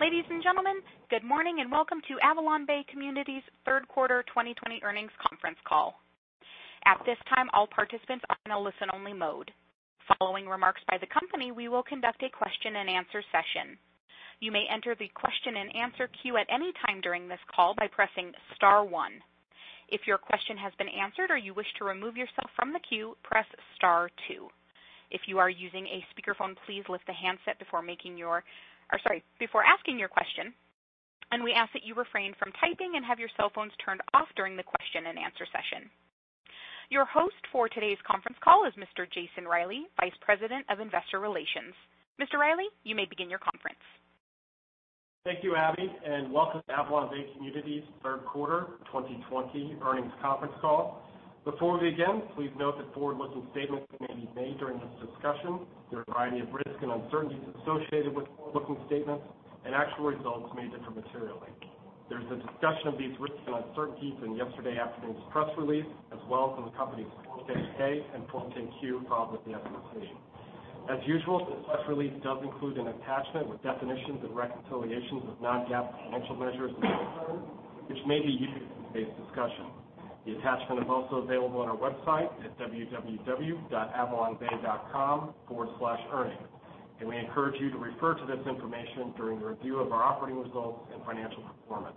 Ladies and gentlemen, good morning, and welcome to AvalonBay Communities' third quarter 2020 earnings conference call. At this time, all participants are in a listen-only mode. Following remarks by the company, we will conduct a question-and-answer session. You may enter the question and answer queue at any time during this call by pressing star one. If your question has been answered or you wish to remove yourself from the queue, press star two. If you are using a speakerphone, please lift the handset before asking your question, and we ask that you refrain from typing and have your cell phones turned off during the question-and-answer session. Your host for today's conference call is Mr. Jason Reilley, Vice President of Investor Relations. Mr. Reilley, you may begin your conference. Thank you, Abby, and welcome to AvalonBay Communities' third quarter 2020 earnings conference call. Before we begin, please note that forward-looking statements may be made during this discussion. There are a variety of risks and uncertainties associated with forward-looking statements, and actual results may differ materially. There's a discussion of these risks and uncertainties in yesterday afternoon's press release, as well as in the company's Form 10-K and Form 10-Q filed with the SEC. As usual, this press release does include an attachment with definitions and reconciliations of non-GAAP financial measures discussed, which may be used in today's discussion. The attachment is also available on our website at www.avalonbay.com/earnings. We encourage you to refer to this information during the review of our operating results and financial performance.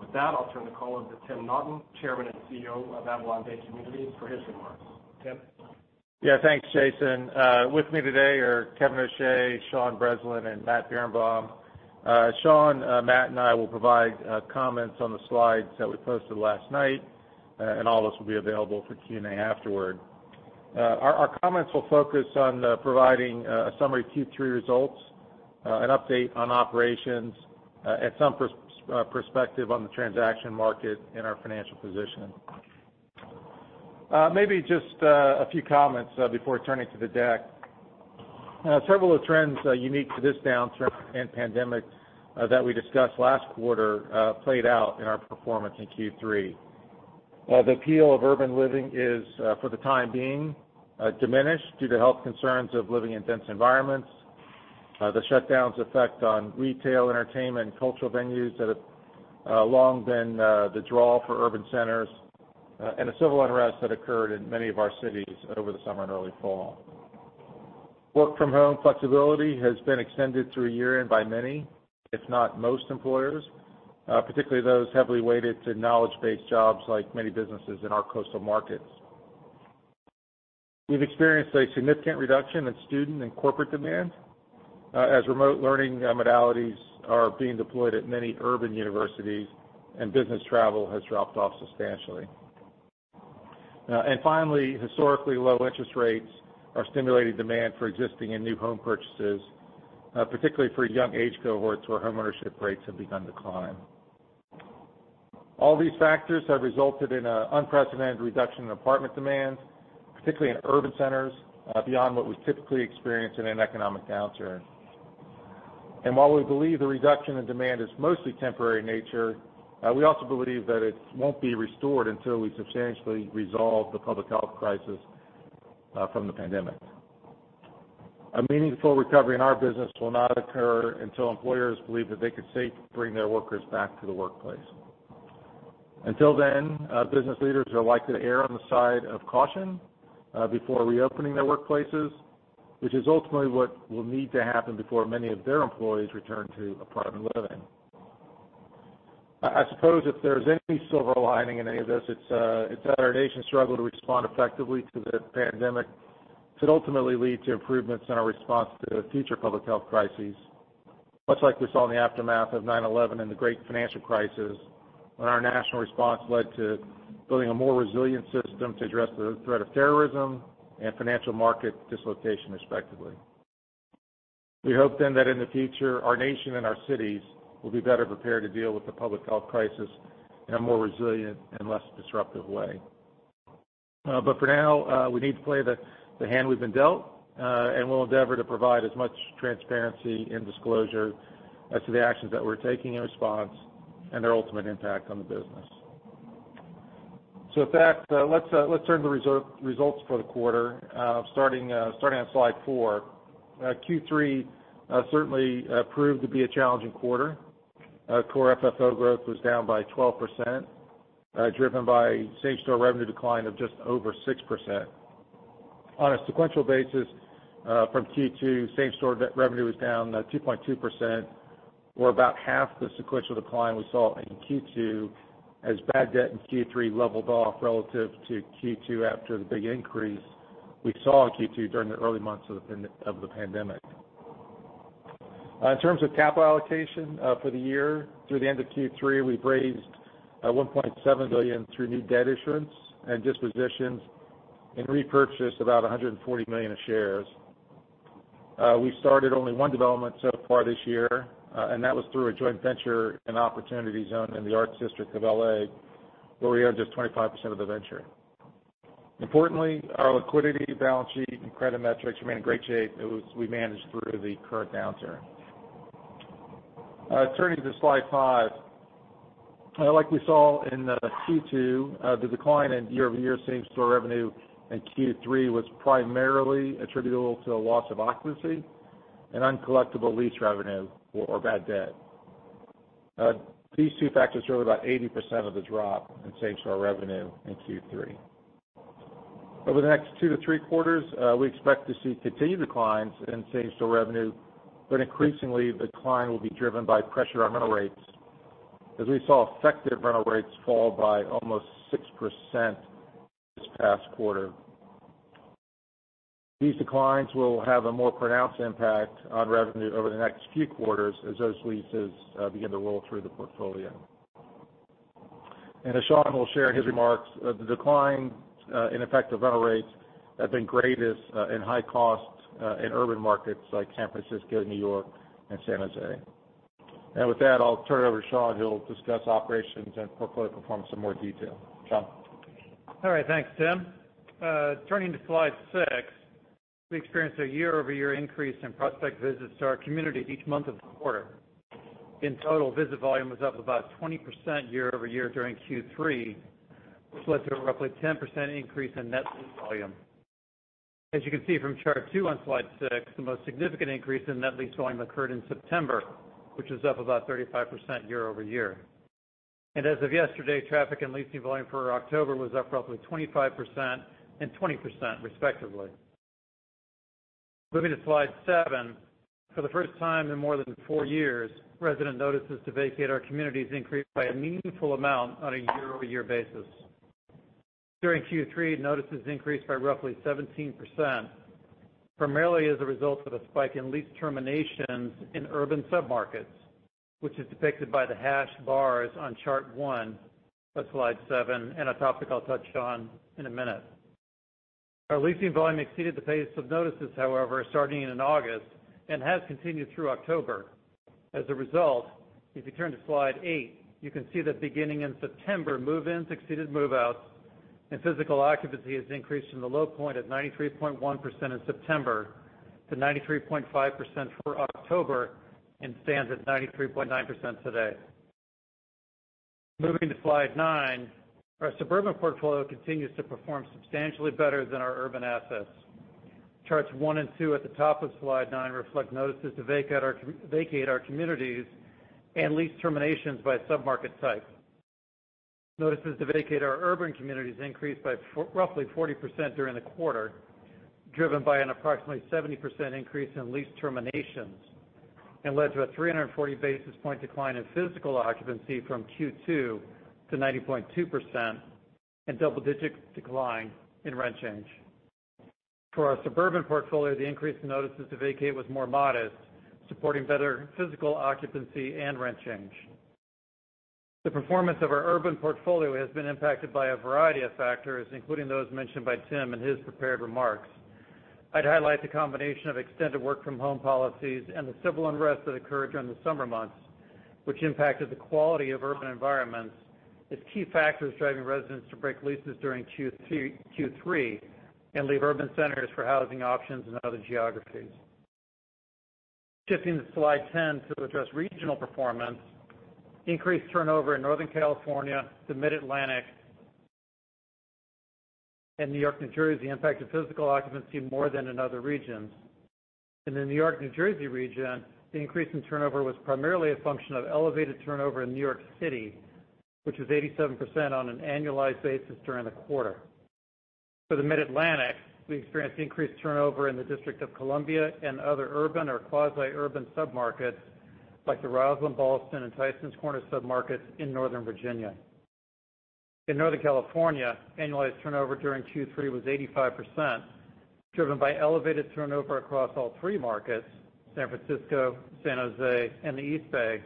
With that, I'll turn the call over to Tim Naughton, Chairman and Chief Executive Officer of AvalonBay Communities, for his remarks. Tim? Yeah. Thanks, Jason. With me today are Kevin O'Shea, Sean Breslin, and Matt Birenbaum. Sean, Matt, and I will provide comments on the slides that we posted last night, and all this will be available for Q&A afterward. Our comments will focus on providing a summary of Q3 results, an update on operations, and some perspective on the transaction market and our financial positioning. Maybe just a few comments before turning to the deck. Several of the trends unique to this downturn and pandemic that we discussed last quarter played out in our performance in Q3. The appeal of urban living is, for the time being, diminished due to health concerns of living in dense environments, the shutdown's effect on retail, entertainment, cultural venues that have long been the draw for urban centers, and the civil unrest that occurred in many of our cities over the summer and early fall. Work-from-home flexibility has been extended through year-end by many, if not most employers, particularly those heavily weighted to knowledge-based jobs, like many businesses in our coastal markets. We've experienced a significant reduction in student and corporate demand as remote learning modalities are being deployed at many urban universities, and business travel has dropped off substantially. Finally, historically low interest rates are stimulating demand for existing and new home purchases, particularly for young age cohorts where homeownership rates have begun to climb. All these factors have resulted in an unprecedented reduction in apartment demand, particularly in urban centers, beyond what we typically experience in an economic downturn. While we believe the reduction in demand is mostly temporary in nature, we also believe that it won't be restored until we substantially resolve the public health crisis from the pandemic. A meaningful recovery in our business will not occur until employers believe that they can safely bring their workers back to the workplace. Until then, business leaders are likely to err on the side of caution before reopening their workplaces, which is ultimately what will need to happen before many of their employees return to apartment living. I suppose if there's any silver lining in any of this, it's that our nation's struggle to respond effectively to the pandemic could ultimately lead to improvements in our response to future public health crises, much like we saw in the aftermath of 9/11 and the great financial crisis, when our national response led to building a more resilient system to address the threat of terrorism and financial market dislocation, respectively. We hope then that in the future, our nation and our cities will be better prepared to deal with the public health crisis in a more resilient and less disruptive way. For now, we need to play the hand we've been dealt, and we'll endeavor to provide as much transparency and disclosure as to the actions that we're taking in response and their ultimate impact on the business. With that, let's turn to results for the quarter, starting on slide four. Q3 certainly proved to be a challenging quarter. Core FFO growth was down by 12%, driven by same-store revenue decline of just over 6%. On a sequential basis from Q2, same-store revenue was down 2.2%, or about half the sequential decline we saw in Q2 as bad debt in Q3 leveled off relative to Q2 after the big increase we saw in Q2 during the early months of the pandemic. In terms of capital allocation for the year through the end of Q3, we've raised $1.7 billion through new debt issuance and dispositions and repurchased about 140 million shares. We started only one development so far this year, and that was through a joint venture in an Opportunity Zone in the Arts District of L.A., where we own just 25% of the venture. Importantly, our liquidity balance sheet and credit metrics remain in great shape as we manage through the current downturn. Turning to slide five, like we saw in Q2, the decline in year-over-year same-store revenue in Q3 was primarily attributable to a loss of occupancy and uncollectible lease revenue or bad debt. These two factors drove about 80% of the drop in same-store revenue in Q3. Over the next two to three quarters, we expect to see continued declines in same-store revenue, but increasingly, the decline will be driven by pressure on rental rates. As we saw, effective rental rates fall by almost 6% this past quarter. These declines will have a more pronounced impact on revenue over the next few quarters as those leases begin to roll through the portfolio. As Sean will share in his remarks, the declines in effective rental rates have been greatest in high cost in urban markets like San Francisco, New York, and San Jose. With that, I'll turn it over to Sean, who'll discuss operations and portfolio performance in more detail. Sean. All right. Thanks, Tim. Turning to slide six, we experienced a year-over-year increase in prospect visits to our community each month of the quarter. In total, visit volume was up about 20% year-over-year during Q3, which led to a roughly 10% increase in net lease volume. As you can see from chart two on slide six, the most significant increase in net lease volume occurred in September, which was up about 35% year-over-year. As of yesterday, traffic and leasing volume for October was up roughly 25% and 20%, respectively. Moving to slide seven. For the first time in more than four years, resident notices to vacate our communities increased by a meaningful amount on a year-over-year basis. During Q3, notices increased by roughly 17%, primarily as a result of a spike in lease terminations in urban submarkets, which is depicted by the hashed bars on chart one of slide seven and a topic I'll touch on in a minute. Our leasing volume exceeded the pace of notices, however, starting in August, and has continued through October. As a result, if you turn to slide eight, you can see that beginning in September, move-ins exceeded move-outs and physical occupancy has increased from the low point of 93.1% in September to 93.5% for October and stands at 93.9% today. Moving to slide nine. Our suburban portfolio continues to perform substantially better than our urban assets. Charts one and two at the top of slide nine reflect notices to vacate our communities and lease terminations by submarket type. Notices to vacate our urban communities increased by roughly 40% during the quarter, driven by an approximately 70% increase in lease terminations and led to a 340-basis point decline in physical occupancy from Q2 to 90.2% and double-digit decline in rent change. For our suburban portfolio, the increase in notices to vacate was more modest, supporting better physical occupancy and rent change. The performance of our urban portfolio has been impacted by a variety of factors, including those mentioned by Tim in his prepared remarks. I'd highlight the combination of extended work-from-home policies and the civil unrest that occurred during the summer months, which impacted the quality of urban environments as key factors driving residents to break leases during Q3 and leave urban centers for housing options in other geographies. Shifting to slide 10 to address regional performance. Increased turnover in Northern California, the mid-Atlantic, and New York, New Jersey impacted physical occupancy more than in other regions. In the New York, New Jersey region, the increase in turnover was primarily a function of elevated turnover in New York City, which was 87% on an annualized basis during the quarter. For the mid-Atlantic, we experienced increased turnover in the District of Columbia and other urban or quasi-urban submarkets like the Rosslyn-Ballston and Tysons Corner submarkets in Northern Virginia. In Northern California, annualized turnover during Q3 was 85%, driven by elevated turnover across all three markets, San Francisco, San Jose, and the East Bay,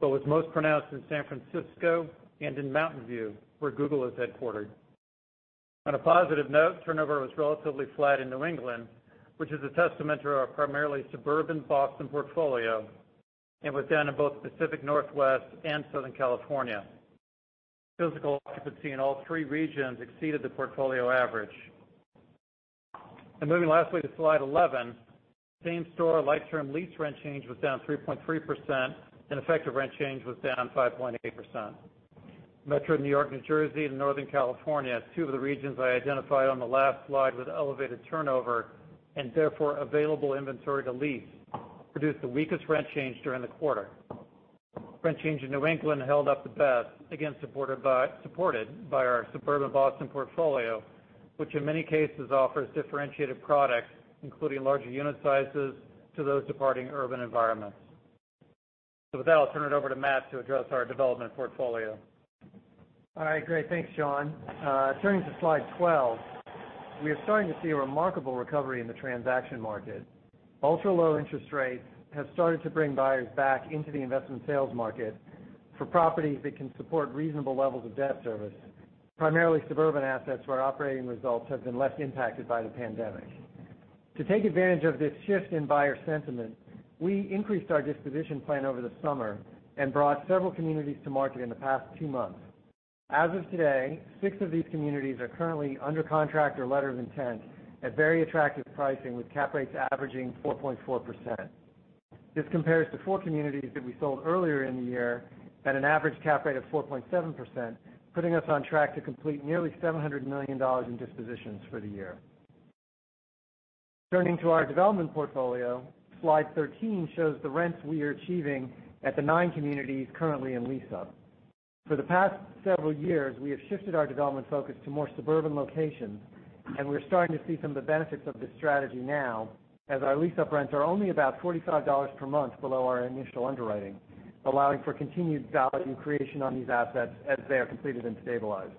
but was most pronounced in San Francisco and in Mountain View, where Google is headquartered. On a positive note, turnover was relatively flat in New England, which is a testament to our primarily suburban Boston portfolio and was down in both Pacific Northwest and Southern California. Physical occupancy in all three regions exceeded the portfolio average. Moving lastly to slide 11. Same-store like-term lease rent change was down 3.3% and effective rent change was down 5.8%. Metro New York, New Jersey, and Northern California, two of the regions I identified on the last slide with elevated turnover and therefore available inventory to lease, produced the weakest rent change during the quarter. Rent change in New England held up the best, again, supported by our suburban Boston portfolio, which in many cases offers differentiated products, including larger unit sizes to those departing urban environments. With that, I'll turn it over to Matt to address our development portfolio. All right. Great. Thanks, Sean. Turning to slide 12. We are starting to see a remarkable recovery in the transaction market. Ultra-low interest rates have started to bring buyers back into the investment sales market for properties that can support reasonable levels of debt service, primarily suburban assets where operating results have been less impacted by the pandemic. To take advantage of this shift in buyer sentiment, we increased our disposition plan over the summer and brought several communities to market in the past two months. As of today, six of these communities are currently under contract or letter of intent at very attractive pricing with cap rates averaging 4.4%. This compares to four communities that we sold earlier in the year at an average cap rate of 4.7%, putting us on track to complete nearly $700 million in dispositions for the year. Turning to our development portfolio, slide 13 shows the rents we are achieving at the nine communities currently in lease-up. For the past several years, we have shifted our development focus to more suburban locations, and we're starting to see some of the benefits of this strategy now as our lease-up rents are only about $45 per month below our initial underwriting, allowing for continued value creation on these assets as they are completed and stabilized.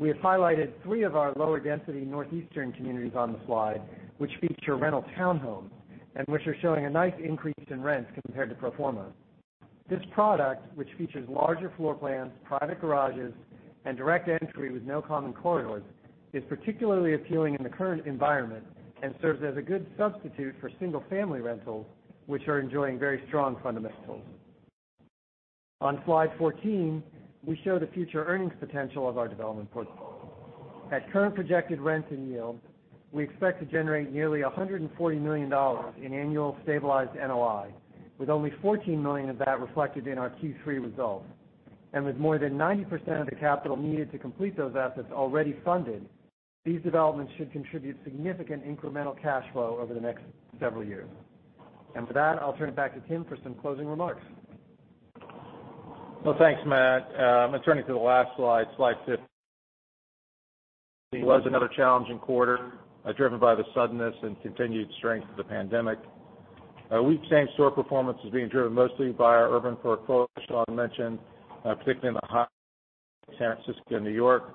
We have highlighted three of our lower density northeastern communities on the slide, which feature rental townhomes and which are showing a nice increase in rents compared to pro forma. This product, which features larger floor plans, private garages, and direct entry with no common corridors, is particularly appealing in the current environment and serves as a good substitute for single-family rentals, which are enjoying very strong fundamentals. On slide 14, we show the future earnings potential of our development portfolio. At current projected rents and yields, we expect to generate nearly $140 million in annual stabilized NOI, with only $14 million of that reflected in our Q3 results. With more than 90% of the capital needed to complete those assets already funded, these developments should contribute significant incremental cash flow over the next several years. With that, I'll turn it back to Tim for some closing remarks. Well, thanks, Matt. Turning to the last slide 15. It was another challenging quarter, driven by the suddenness and continued strength of the pandemic. Our weak same-store performance is being driven mostly by our urban core as Sean mentioned, particularly in the high San Francisco and New York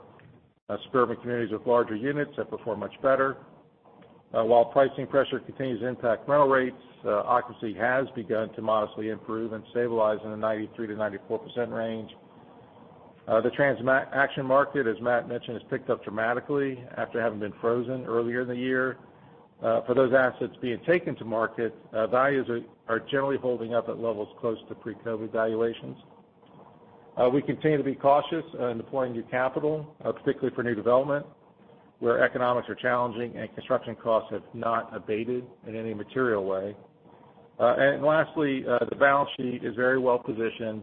suburban communities with larger units that perform much better. While pricing pressure continues to impact rental rates, occupancy has begun to modestly improve and stabilize in the 93%-94% range. The transaction market, as Matt mentioned, has picked up dramatically after having been frozen earlier in the year. For those assets being taken to market, values are generally holding up at levels close to pre-COVID valuations. We continue to be cautious in deploying new capital, particularly for new development where economics are challenging and construction costs have not abated in any material way. Lastly, the balance sheet is very well positioned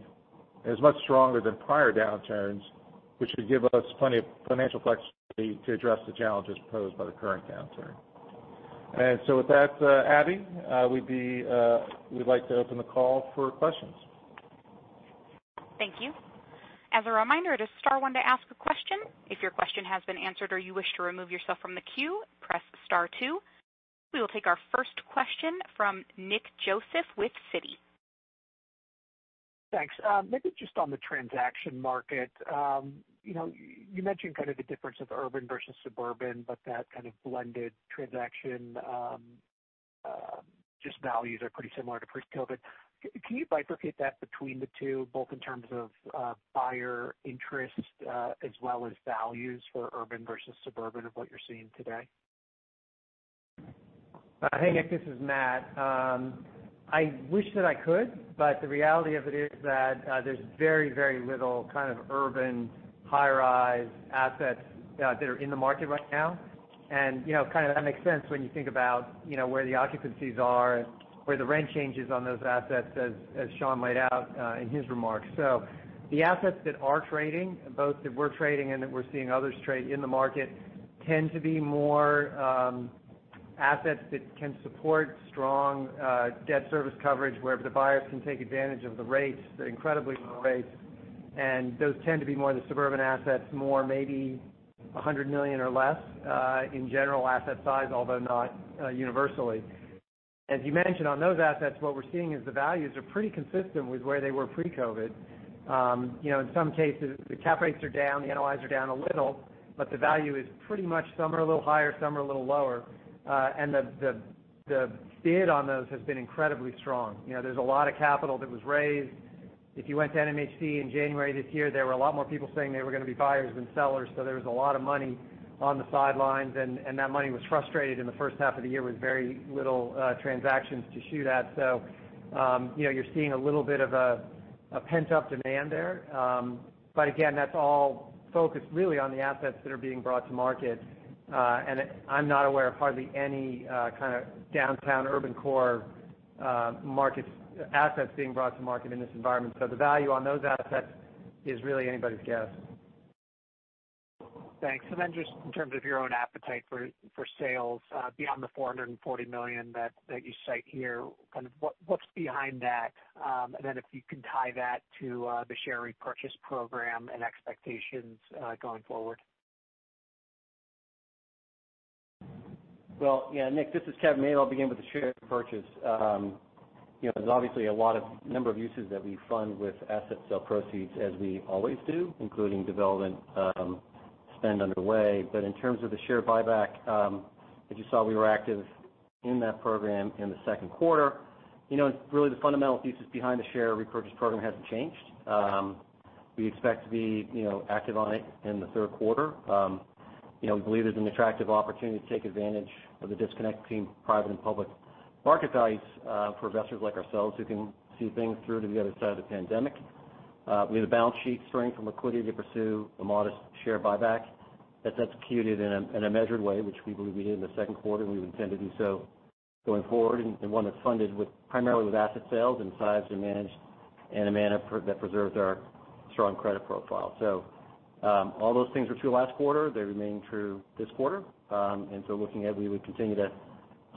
and is much stronger than prior downturns, which should give us plenty of financial flexibility to address the challenges posed by the current downturn. With that, Abby, we'd like to open the call for questions. Thank you. As a reminder, it is star one to ask a question. If your question has been answered or you wish to remove yourself from the queue, press star two. We will take our first question from Nick Joseph with Citi. Thanks. Maybe just on the transaction market. You mentioned kind of the difference of urban versus suburban, but that kind of blended transaction values are pretty similar to pre-COVID. Can you bifurcate that between the two, both in terms of buyer interest as well as values for urban versus suburban of what you're seeing today? Hey, Nick. This is Matt. I wish that I could, but the reality of it is that there's very, very little kind of urban high-rise assets that are in the market right now. That makes sense when you think about where the occupancies are and where the rent changes on those assets as Sean laid out in his remarks. The assets that are trading, both that we're trading and that we're seeing others trade in the market, tend to be more assets that can support strong debt service coverage where the buyers can take advantage of the incredibly low rates. Those tend to be more the suburban assets, more maybe $100 million or less in general asset size, although not universally. As you mentioned, on those assets, what we're seeing is the values are pretty consistent with where they were pre-COVID. In some cases, the cap rates are down, the NOIs are down a little, but the value is pretty much some are a little higher, some are a little lower. The bid on those has been incredibly strong. There's a lot of capital that was raised. If you went to NMHC in January this year, there were a lot more people saying they were going to be buyers than sellers. There was a lot of money on the sidelines, and that money was frustrated in the first half of the year with very little transactions to shoot at. You're seeing a little bit of a pent-up demand there. Again, that's all focused really on the assets that are being brought to market. I'm not aware of hardly any kind of downtown urban core assets being brought to market in this environment. The value on those assets is really anybody's guess. Thanks. Just in terms of your own appetite for sales beyond the $440 million that you cite here, what's behind that? If you can tie that to the share repurchase program and expectations going forward. Well, yeah, Nick, this is Kevin. I'll begin with the share repurchase. There's obviously a number of uses that we fund with asset sale proceeds as we always do, including development spend underway. In terms of the share buyback, as you saw, we were active in that program in the second quarter. Really the fundamental thesis behind the share repurchase program hasn't changed. We expect to be active on it in the third quarter. We believe there's an attractive opportunity to take advantage of the disconnect between private and public market values for investors like ourselves who can see things through to the other side of the pandemic. We have a balance sheet strength and liquidity to pursue a modest share buyback that's executed in a measured way, which we believe we did in the second quarter, and we would intend to do so going forward. One that's funded primarily with asset sales in size and managed in a manner that preserves our strong credit profile. All those things were true last quarter. They remain true this quarter. Looking ahead, we would continue to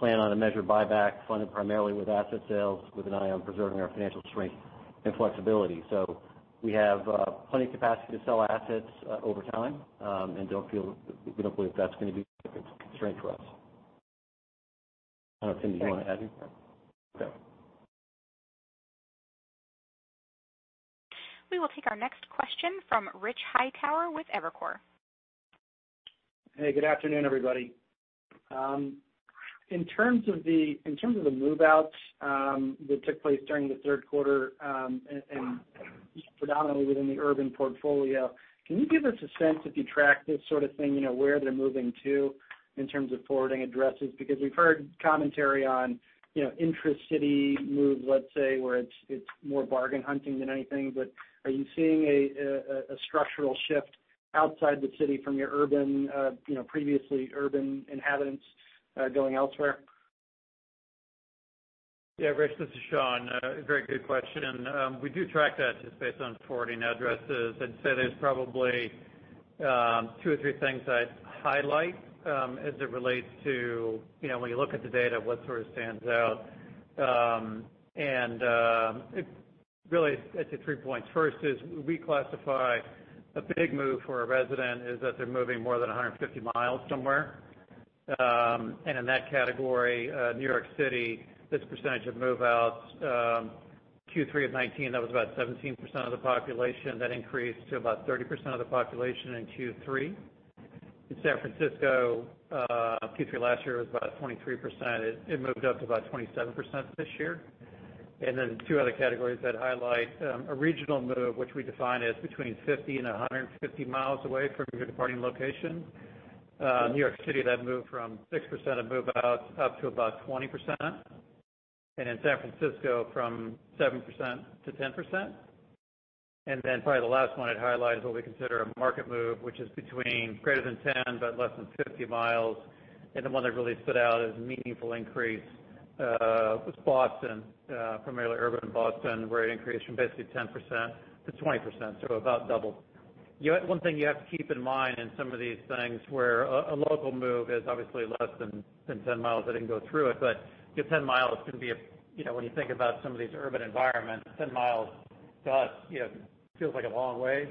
plan on a measured buyback funded primarily with asset sales, with an eye on preserving our financial strength and flexibility. We have plenty of capacity to sell assets over time, and we don't believe that's going to be a constraint for us. I don't know, Tim, do you want to add anything? No. We will take our next question from Rich Hightower with Evercore. Hey, good afternoon, everybody. In terms of the move-outs that took place during the third quarter, predominantly within the urban portfolio, can you give us a sense, if you track this sort of thing, where they're moving to in terms of forwarding addresses? We've heard commentary on intra-city move, let's say, where it's more bargain hunting than anything. Are you seeing a structural shift outside the city from your previously urban inhabitants going elsewhere? Yeah, Rich, this is Sean. A very good question. We do track that just based on forwarding addresses. I'd say there's probably two or three things I'd highlight as it relates to when you look at the data, what sort of stands out. Really, I'd say three points. First is we classify a big move for a resident is that they're moving more than 150 miles somewhere. In that category, New York City, this percentage of move-outs, Q3 of 2019, that was about 17% of the population. That increased to about 30% of the population in Q3. In San Francisco, Q3 last year was about 23%. It moved up to about 27% this year. Then two other categories I'd highlight. A regional move, which we define as between 50 and 150 mi away from your departing location. New York City, that moved from 6% of move-outs up to about 20%. In San Francisco, from 7%-10%. Probably the last one I'd highlight is what we consider a market move, which is between greater than 10 but less than 50 mi. The one that really stood out as a meaningful increase was Boston, primarily urban Boston, where it increased from basically 10%-20%, so about double. One thing you have to keep in mind in some of these things where a local move is obviously less than 10 mi. I didn't go through it, but 10 mi can be, when you think about some of these urban environments, 10 mi to us feels like a long way.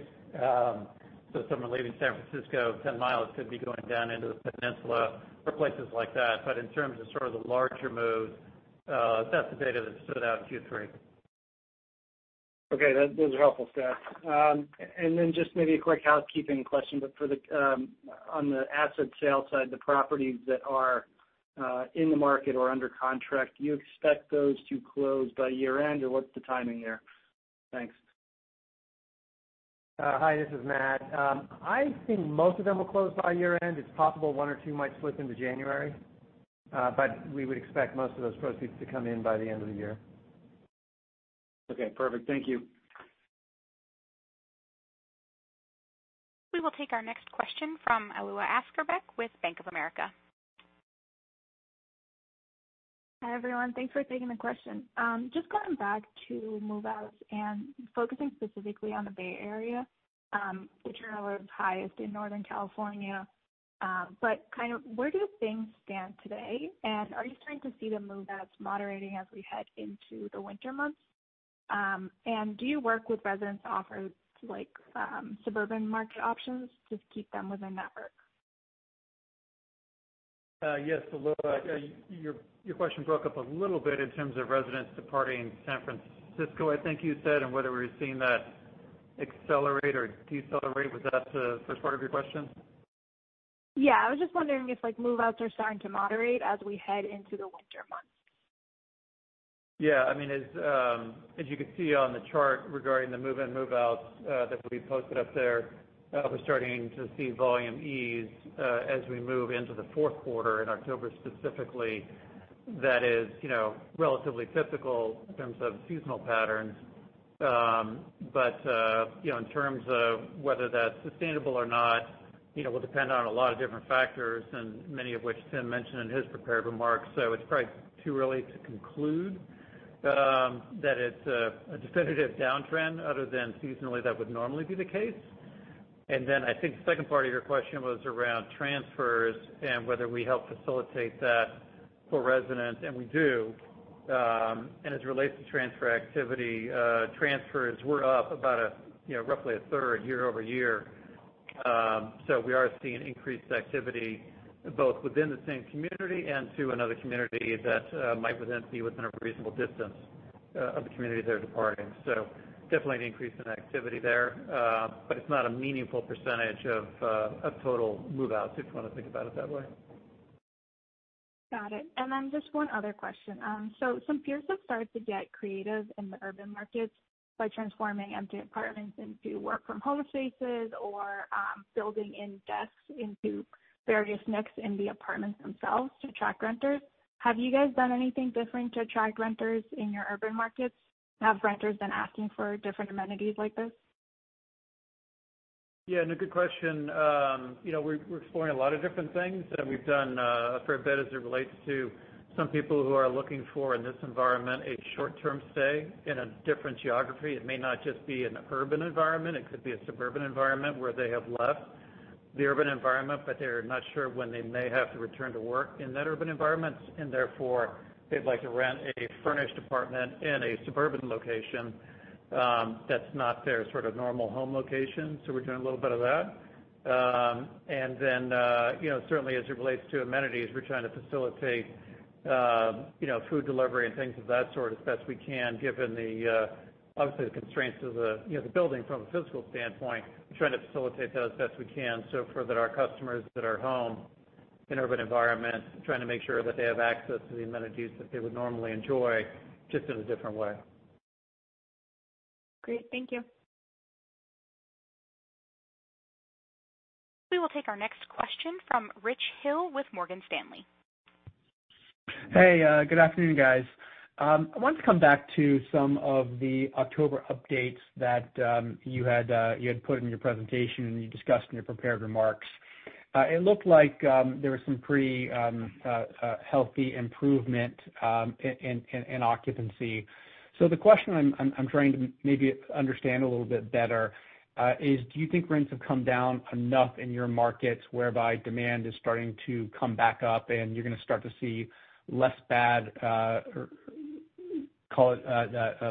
Someone leaving San Francisco, 10 mi could be going down into the peninsula or places like that. In terms of sort of the larger moves, that's the data that stood out in Q3. Okay. Those are helpful stats. Then just maybe a quick housekeeping question. On the asset sale side, the properties that are in the market or under contract, do you expect those to close by year-end, or what's the timing there? Thanks. Hi, this is Matt. I think most of them will close by year-end. It's possible one or two might slip into January. We would expect most of those proceeds to come in by the end of the year. Okay, perfect. Thank you. We will take our next question from Alua Askarbek with Bank of America. Hi, everyone. Thanks for taking the question. Just going back to move-outs and focusing specifically on the Bay Area, the turnover is highest in Northern California. Kind of where do things stand today, and are you starting to see the move-outs moderating as we head into the winter months? Do you work with residents to offer suburban market options to keep them within network? Yes, Alua. Your question broke up a little bit in terms of residents departing San Francisco, I think you said, and whether we're seeing that accelerate or decelerate. Was that the first part of your question? Yeah, I was just wondering if move-outs are starting to moderate as we head into the winter months? Yeah. As you can see on the chart regarding the move-in, move-outs that we posted up there, we're starting to see volume ease as we move into the fourth quarter in October specifically. That is relatively typical in terms of seasonal patterns. In terms of whether that's sustainable or not, will depend on a lot of different factors, and many of which Tim mentioned in his prepared remarks. It's probably too early to conclude that it's a definitive downtrend other than seasonally that would normally be the case. I think the second part of your question was around transfers and whether we help facilitate that for residents, and we do. As it relates to transfer activity, transfers were up about roughly a third year-over-year. We are seeing increased activity both within the same community and to another community that might be within a reasonable distance of the community they're departing. Definitely an increase in activity there. It's not a meaningful percentage of total move-outs, if you want to think about it that way. Got it. Just one other question. Some peers have started to get creative in the urban markets by transforming empty apartments into work from home spaces or building in desks into various nooks in the apartments themselves to attract renters. Have you guys done anything different to attract renters in your urban markets? Have renters been asking for different amenities like this? Yeah, a good question. We're exploring a lot of different things that we've done for a bit as it relates to some people who are looking for, in this environment, a short-term stay in a different geography. It may not just be in an urban environment, it could be a suburban environment where they have left the urban environment, but they're not sure when they may have to return to work in that urban environment. Therefore, they'd like to rent a furnished apartment in a suburban location that's not their sort of normal home location. We're doing a little bit of that. Certainly as it relates to amenities, we're trying to facilitate food delivery and things of that sort as best we can, given obviously the constraints of the building from a physical standpoint. We're trying to facilitate those as best we can, so for that, our customers that are home in urban environments, trying to make sure that they have access to the amenities that they would normally enjoy, just in a different way. Great. Thank you. We will take our next question from Rich Hill with Morgan Stanley. Hey, good afternoon, guys. I wanted to come back to some of the October updates that you had put in your presentation, and you discussed in your prepared remarks. It looked like there was some pretty healthy improvement in occupancy. The question I'm trying to maybe understand a little bit better is, do you think rents have come down enough in your markets whereby demand is starting to come back up and you're going to start to see less bad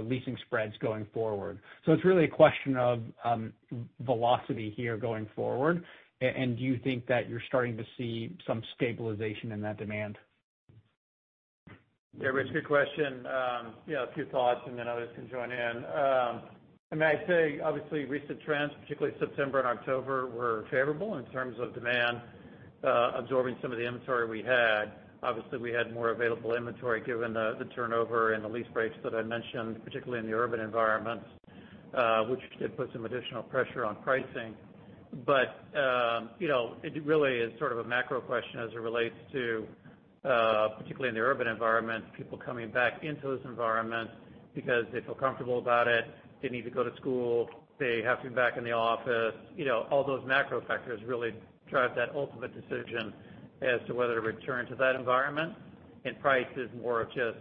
leasing spreads going forward? It's really a question of velocity here going forward. Do you think that you're starting to see some stabilization in that demand? Yeah, Rich, good question. A few thoughts and then others can join in. I mean, I'd say obviously recent trends, particularly September and October, were favorable in terms of demand absorbing some of the inventory we had. Obviously, we had more available inventory given the turnover and the lease breaks that I mentioned, particularly in the urban environments, which did put some additional pressure on pricing. It really is sort of a macro question as it relates to, particularly in the urban environment, people coming back into those environments because they feel comfortable about it. They need to go to school. They have to be back in the office. All those macro factors really drive that ultimate decision as to whether to return to that environment. Price is more of just,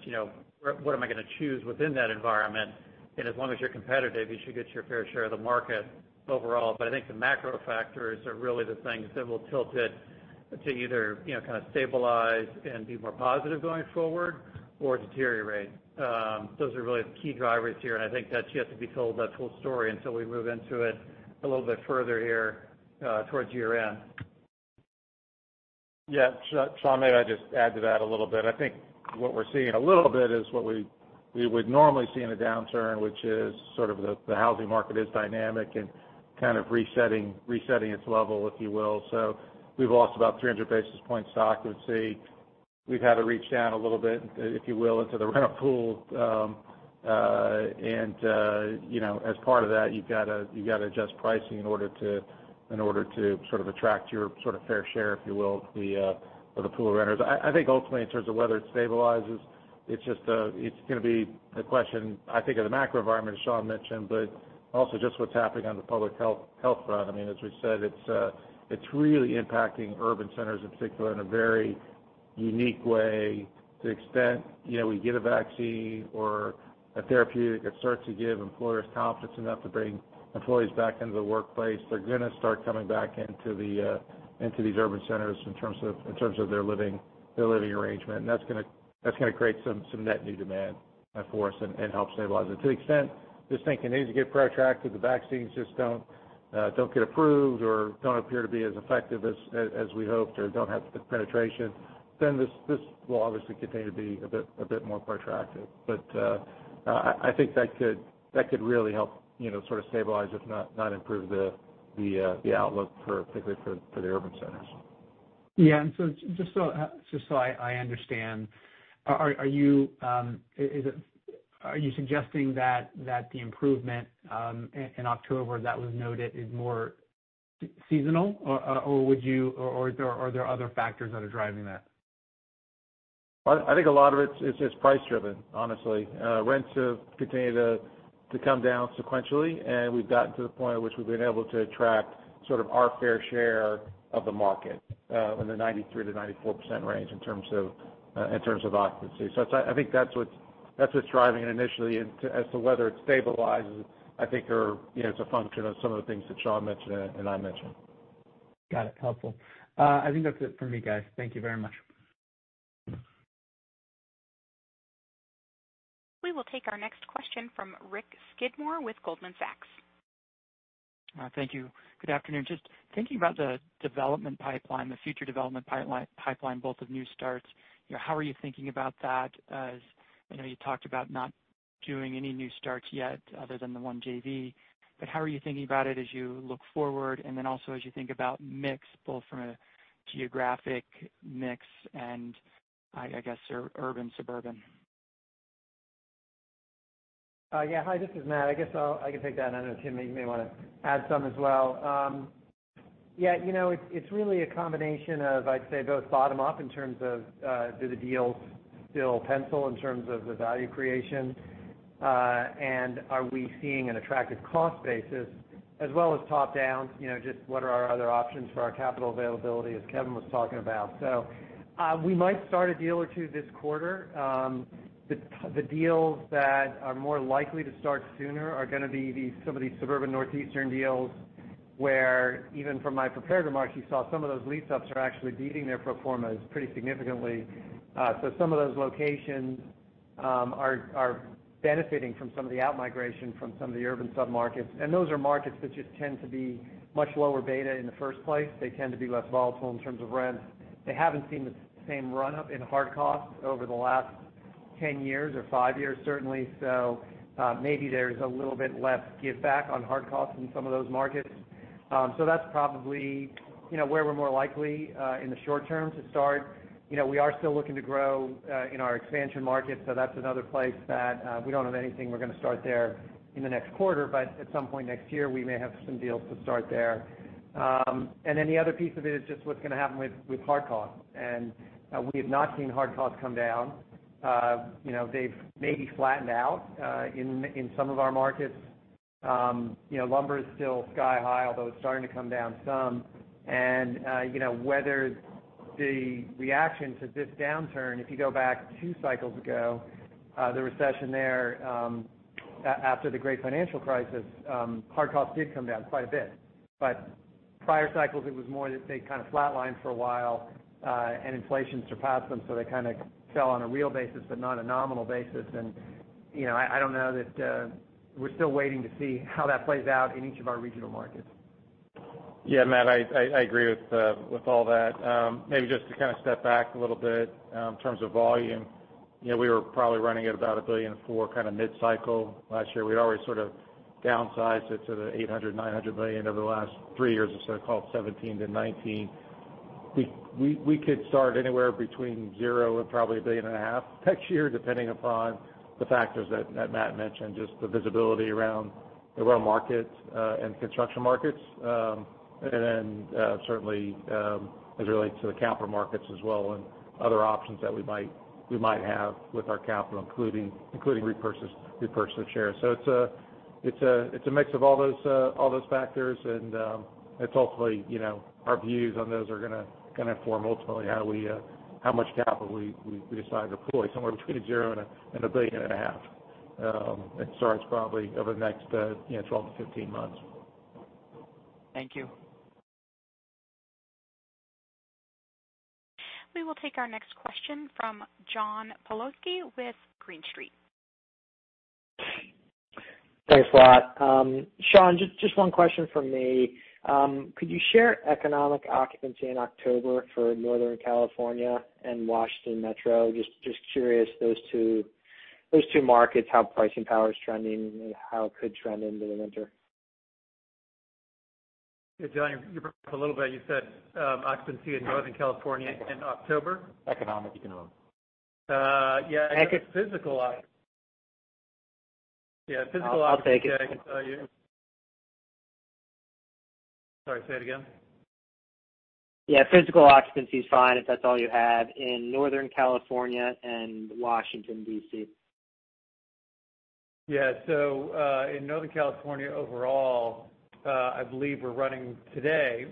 what am I going to choose within that environment? As long as you're competitive, you should get your fair share of the market overall. I think the macro factors are really the things that will tilt it to either kind of stabilize and be more positive going forward or deteriorate. Those are really the key drivers here, and I think that yet to be told, that full story, until we move into it a little bit further here towards year-end. Yeah. Sean, may I just add to that a little bit? I think what we're seeing a little bit is what we would normally see in a downturn, which is sort of the housing market is dynamic and kind of resetting its level, if you will. We've lost about 300 basis points occupancy. We've had to reach down a little bit, if you will, into the rental pool. As part of that, you've got to adjust pricing in order to sort of attract your sort of fair share, if you will, for the pool of renters. I think ultimately in terms of whether it stabilizes, it's going to be a question, I think, of the macro environment, as Sean mentioned, but also just what's happening on the public health front. I mean, as we've said, it's really impacting urban centers in particular in a very unique way. To the extent we get a vaccine or a therapeutic that starts to give employers confidence enough to bring employees back into the workplace, they're going to start coming back into these urban centers in terms of their living arrangement. That's going to create some net new demand for us and help stabilize it. To the extent this thing continues to get protracted, the vaccines just don't get approved or don't appear to be as effective as we hoped or don't have the penetration, this will obviously continue to be a bit more protracted. I think that could really help sort of stabilize, if not improve the outlook particularly for the urban centers. Yeah. Just so I understand, are you suggesting that the improvement in October that was noted is more seasonal, or are there other factors that are driving that? I think a lot of it is price-driven, honestly. Rents have continued to come down sequentially, and we've gotten to the point at which we've been able to attract sort of our fair share of the market, in the 93%-94% range in terms of occupancy. I think that's what's driving it initially. As to whether it stabilizes, I think it's a function of some of the things that Sean mentioned and I mentioned. Got it. Helpful. I think that's it for me, guys. Thank you very much. We will take our next question from Rick Skidmore with Goldman Sachs. Thank you. Good afternoon. Just thinking about the development pipeline, the future development pipeline, both of new starts. How are you thinking about that? As you talked about not doing any new starts yet other than the one JV. How are you thinking about it as you look forward, and then also as you think about mix, both from a geographic mix and, I guess, urban/suburban? Hi, this is Matt. I guess I can take that. I know Tim, you may want to add some as well. It's really a combination of, I'd say, both bottom-up in terms of do the deals still pencil in terms of the value creation, and are we seeing an attractive cost basis, as well as top-down, just what are our other options for our capital availability, as Kevin was talking about. We might start a deal or two this quarter. The deals that are more likely to start sooner are going to be some of these suburban northeastern deals, where even from my prepared remarks, you saw some of those lease ups are actually beating their pro formas pretty significantly. Some of those locations are benefiting from some of the out-migration from some of the urban submarkets. Those are markets that just tend to be much lower beta in the first place. They tend to be less volatile in terms of rent. They haven't seen the same run-up in hard costs over the last 10 years or five years, certainly. Maybe there's a little bit less giveback on hard costs in some of those markets. That's probably where we're more likely in the short term to start. We are still looking to grow in our expansion markets, that's another place that we don't have anything we're going to start there in the next quarter, but at some point next year, we may have some deals to start there. The other piece of it is just what's going to happen with hard costs. We have not seen hard costs come down. They've maybe flattened out in some of our markets. Lumber is still sky-high, although it's starting to come down some. Whether the reaction to this downturn, if you go back two cycles ago, the recession there after the Great Financial Crisis, hard costs did come down quite a bit. Prior cycles, it was more that they kind of flatlined for a while, inflation surpassed them, they kind of fell on a real basis, but not a nominal basis. I don't know. We're still waiting to see how that plays out in each of our regional markets. Yeah, Matt, I agree with all that. Maybe just to kind of step back a little bit in terms of volume. We were probably running at about $1.4 billion kind of mid-cycle last year. We'd already sort of downsized it to the $800 million-$900 million over the last three years or so, call it 2017-2019. We could start anywhere between zero and probably $1.5 billion next year, depending upon the factors that Matt mentioned, just the visibility around the rental markets, and construction markets. Certainly, as it relates to the capital markets as well, and other options that we might have with our capital, including repurchase of shares. It's a mix of all those factors, and hopefully, our views on those are going to inform ultimately how much capital we decide to deploy, somewhere between zero and $1.5 billion. It starts probably over the next 12 to 15 months. Thank you. We will take our next question from John Pawlowski with Green Street. Thanks a lot. Sean, just one question from me. Could you share economic occupancy in October for Northern California and Washington Metro? Just curious, those two markets, how pricing power is trending and how it could trend into the winter. Yeah, John, you broke up a little bit. You said occupancy in Northern California in October? Economic. Yeah. Physical occupancy. I'll take it. Sorry, say it again? Yeah. Physical occupancy is fine, if that's all you have, in Northern California and Washington, D.C. Yeah. In Northern California overall, I believe we're running today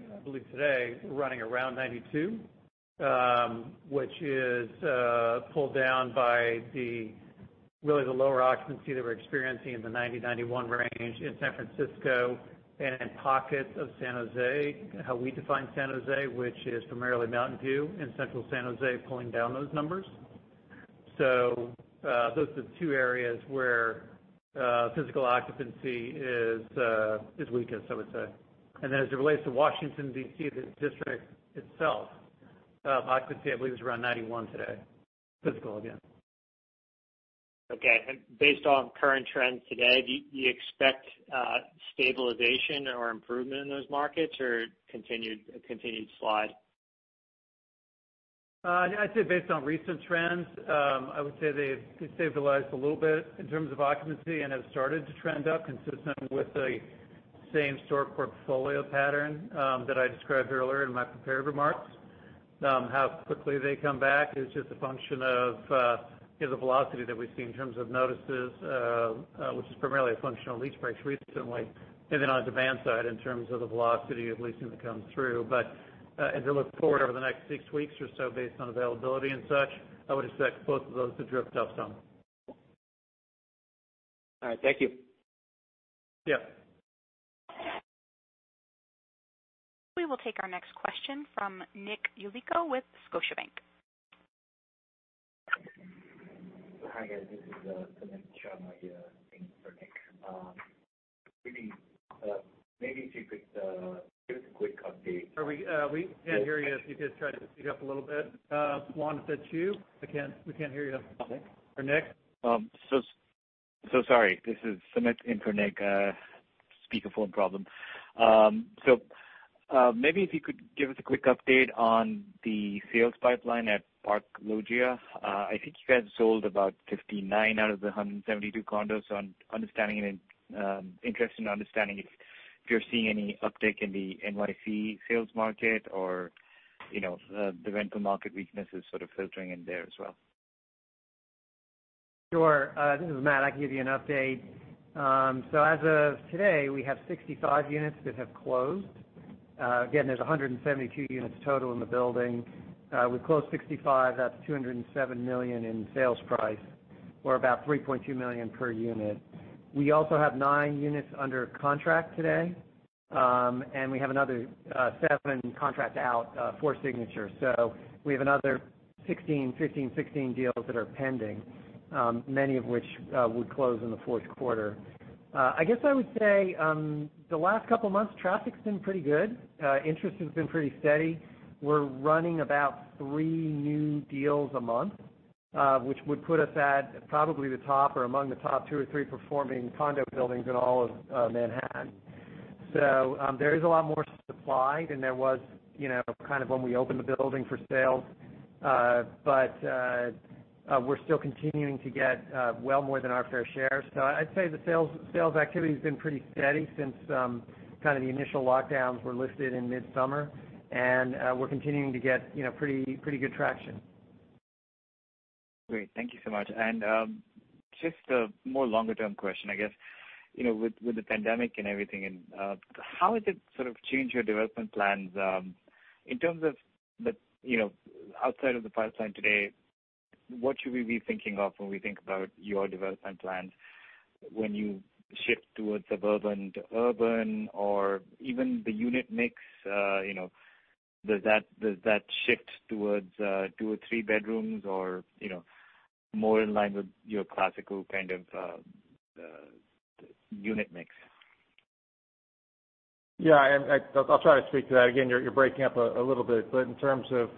around 92, which is pulled down by really the lower occupancy that we're experiencing in the 90, 91 range in San Francisco and in pockets of San Jose. How we define San Jose, which is primarily Mountain View and Central San Jose pulling down those numbers. Those are the two areas where physical occupancy is weakest, I would say. As it relates to Washington, D.C., the district itself, occupancy I believe is around 91 today. Physical, again. Okay. Based on current trends today, do you expect stabilization or improvement in those markets or a continued slide? I'd say based on recent trends, I would say they've stabilized a little bit in terms of occupancy and have started to trend up consistent with the same-store portfolio pattern that I described earlier in my prepared remarks. How quickly they come back is just a function of the velocity that we see in terms of notices, which is primarily a function of lease breaks recently. On the demand side, in terms of the velocity of leasing that comes through. As I look forward over the next six weeks or so based on availability and such, I would expect both of those to drift up some. All right. Thank you. Yeah. We will take our next question from Nick Yulico with Scotiabank. Hi, guys. This is Sumit Sharma in for Nick. Maybe if you could give us a quick update. We can't hear you. If you could try to speak up a little bit. Juan, is that you? We can't hear you. Okay. Or Nick? So sorry. This is Sumit in for Nick. Speakerphone problem. Maybe if you could give us a quick update on the sales pipeline at The Park Loggia. I think you guys sold about 59 out of the 172 condos. Interested in understanding if you're seeing any uptick in the NYC sales market, or the rental market weakness is sort of filtering in there as well. Sure. This is Matt. I can give you an update. As of today, we have 65 units that have closed. Again, there is 172 units total in the building. We have closed 65, that is $207 million in sales price, or about $3.2 million per unit. We also have nine units under contract today. We have another seven contract out for signature. We have another 15, 16 deals that are pending. Many of which would close in the fourth quarter. I guess I would say, the last couple of months, traffic has been pretty good. Interest has been pretty steady. We are running about three new deals a month, which would put us at probably the top or among the top two or three performing condo buildings in all of Manhattan. There is a lot more supply than there was when we opened the building for sale. We're still continuing to get well more than our fair share. I'd say the sales activity's been pretty steady since kind of the initial lockdowns were lifted in midsummer. We're continuing to get pretty good traction. Great. Thank you so much. Just a more longer-term question, I guess. With the pandemic and everything, how has it sort of changed your development plans? In terms of outside of the pipeline today, what should we be thinking of when we think about your development plans when you shift towards suburban to urban, or even the unit mix, does that shift towards two or three bedrooms or more in line with your classical kind of unit mix? Yeah, I'll try to speak to that. Again, you're breaking up a little bit. In terms of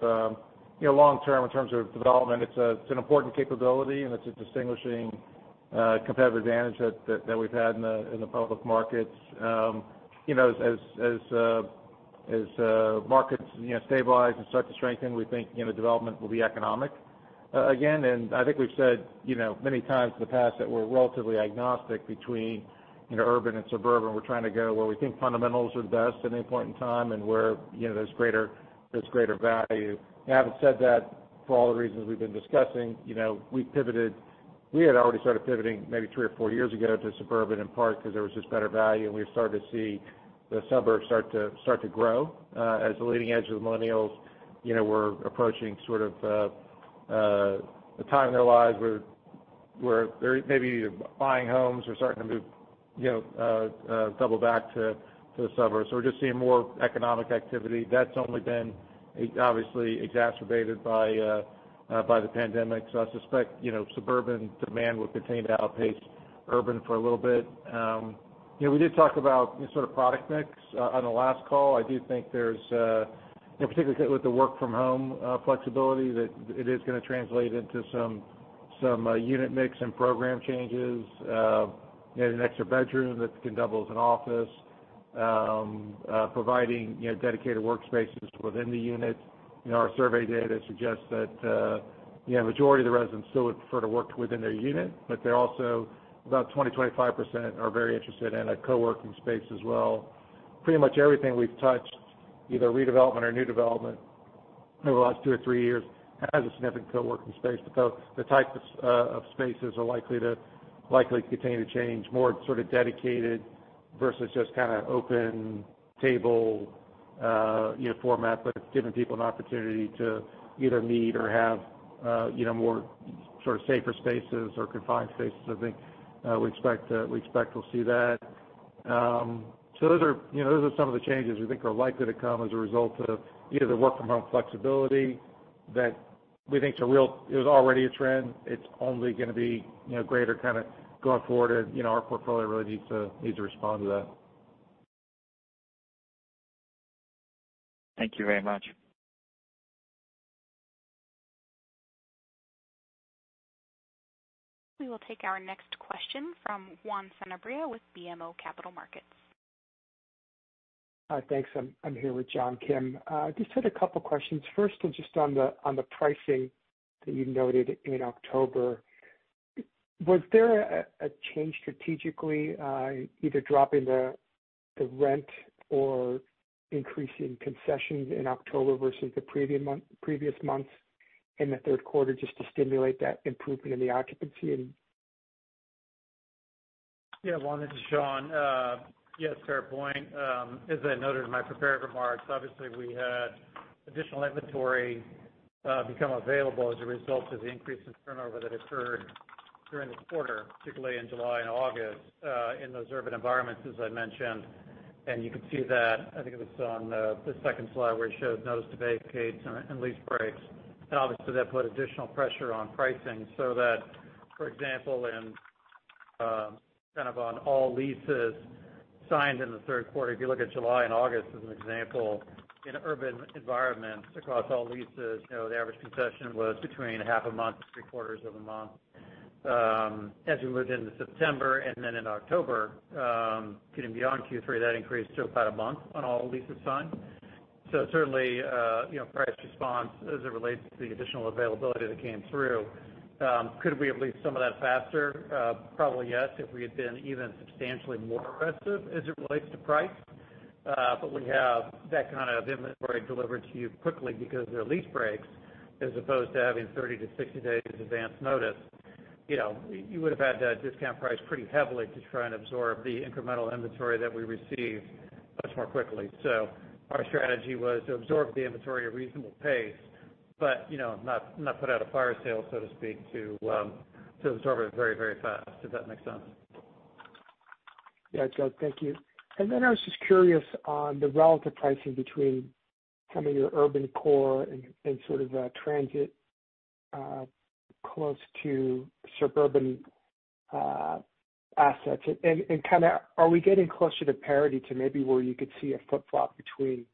long-term, in terms of development, it's an important capability and it's a distinguishing competitive advantage that we've had in the public markets. As markets stabilize and start to strengthen, we think development will be economic again, and I think we've said many times in the past that we're relatively agnostic between urban and suburban. We're trying to go where we think fundamentals are the best at any point in time, and where there's greater value. Having said that, for all the reasons we've been discussing, we had already started pivoting maybe three or four years ago to suburban, in part because there was just better value, and we were starting to see the suburbs start to grow as the leading edge of the millennials were approaching sort of the time in their lives where maybe they're buying homes or starting to move double back to the suburbs. We're just seeing more economic activity. That's only been obviously exacerbated by the pandemic. I suspect suburban demand will continue to outpace urban for a little bit. We did talk about sort of product mix on the last call. I do think there's, particularly with the work from home flexibility, that it is going to translate into some unit mix and program changes. An extra bedroom that can double as an office, providing dedicated workspaces within the units. Our survey data suggests that the majority of the residents still would prefer to work within their unit, but they're also about 20%-25% are very interested in a co-working space as well. Pretty much everything we've touched, either redevelopment or new development over the last two or three years has a significant co-working space. The type of spaces are likely to continue to change, more sort of dedicated versus just kind of open table format, but it's giving people an opportunity to either meet or have more sort of safer spaces or confined spaces. I think we expect we'll see that. Those are some of the changes we think are likely to come as a result of either the work from home flexibility that we think it was already a trend. It's only going to be greater kind of going forward, and our portfolio really needs to respond to that. Thank you very much. We will take our next question from Juan Sanabria with BMO Capital Markets. Thanks. I'm here with John Kim. Just had a couple questions. First, just on the pricing that you noted in October. Was there a change strategically, either dropping the rent or increasing concessions in October versus the previous months in the third quarter just to stimulate that improvement in the occupancy? Yeah, Juan, this is Sean. Yes, fair point. As I noted in my prepared remarks, obviously we had additional inventory become available as a result of the increase in turnover that occurred during the quarter, particularly in July and August, in those urban environments, as I mentioned. You can see that, I think it was on the second slide where it showed notice to vacates and lease breaks. Obviously, that put additional pressure on pricing so that, for example, in kind of on all leases signed in the third quarter, if you look at July and August as an example, in urban environments across all leases, the average concession was between half a month to three-quarters of a month. As we moved into September and then in October, getting beyond Q3, that increased to about a month on all leases signed. Certainly, price response as it relates to the additional availability that came through. Could we have leased some of that faster? Probably, yes, if we had been even substantially more aggressive as it relates to price. We have that kind of inventory delivered to you quickly because they're lease breaks as opposed to having 30-60 days advance notice. You would have had to discount price pretty heavily to try and absorb the incremental inventory that we received much more quickly. Our strategy was to absorb the inventory at a reasonable pace, but not put out a fire sale, so to speak, to absorb it very fast, if that makes sense. Yeah. Thank you. I was just curious on the relative pricing between kind of your urban core and sort of transit close to suburban assets. Kind of are we getting closer to parity to maybe where you could see a flip-flop between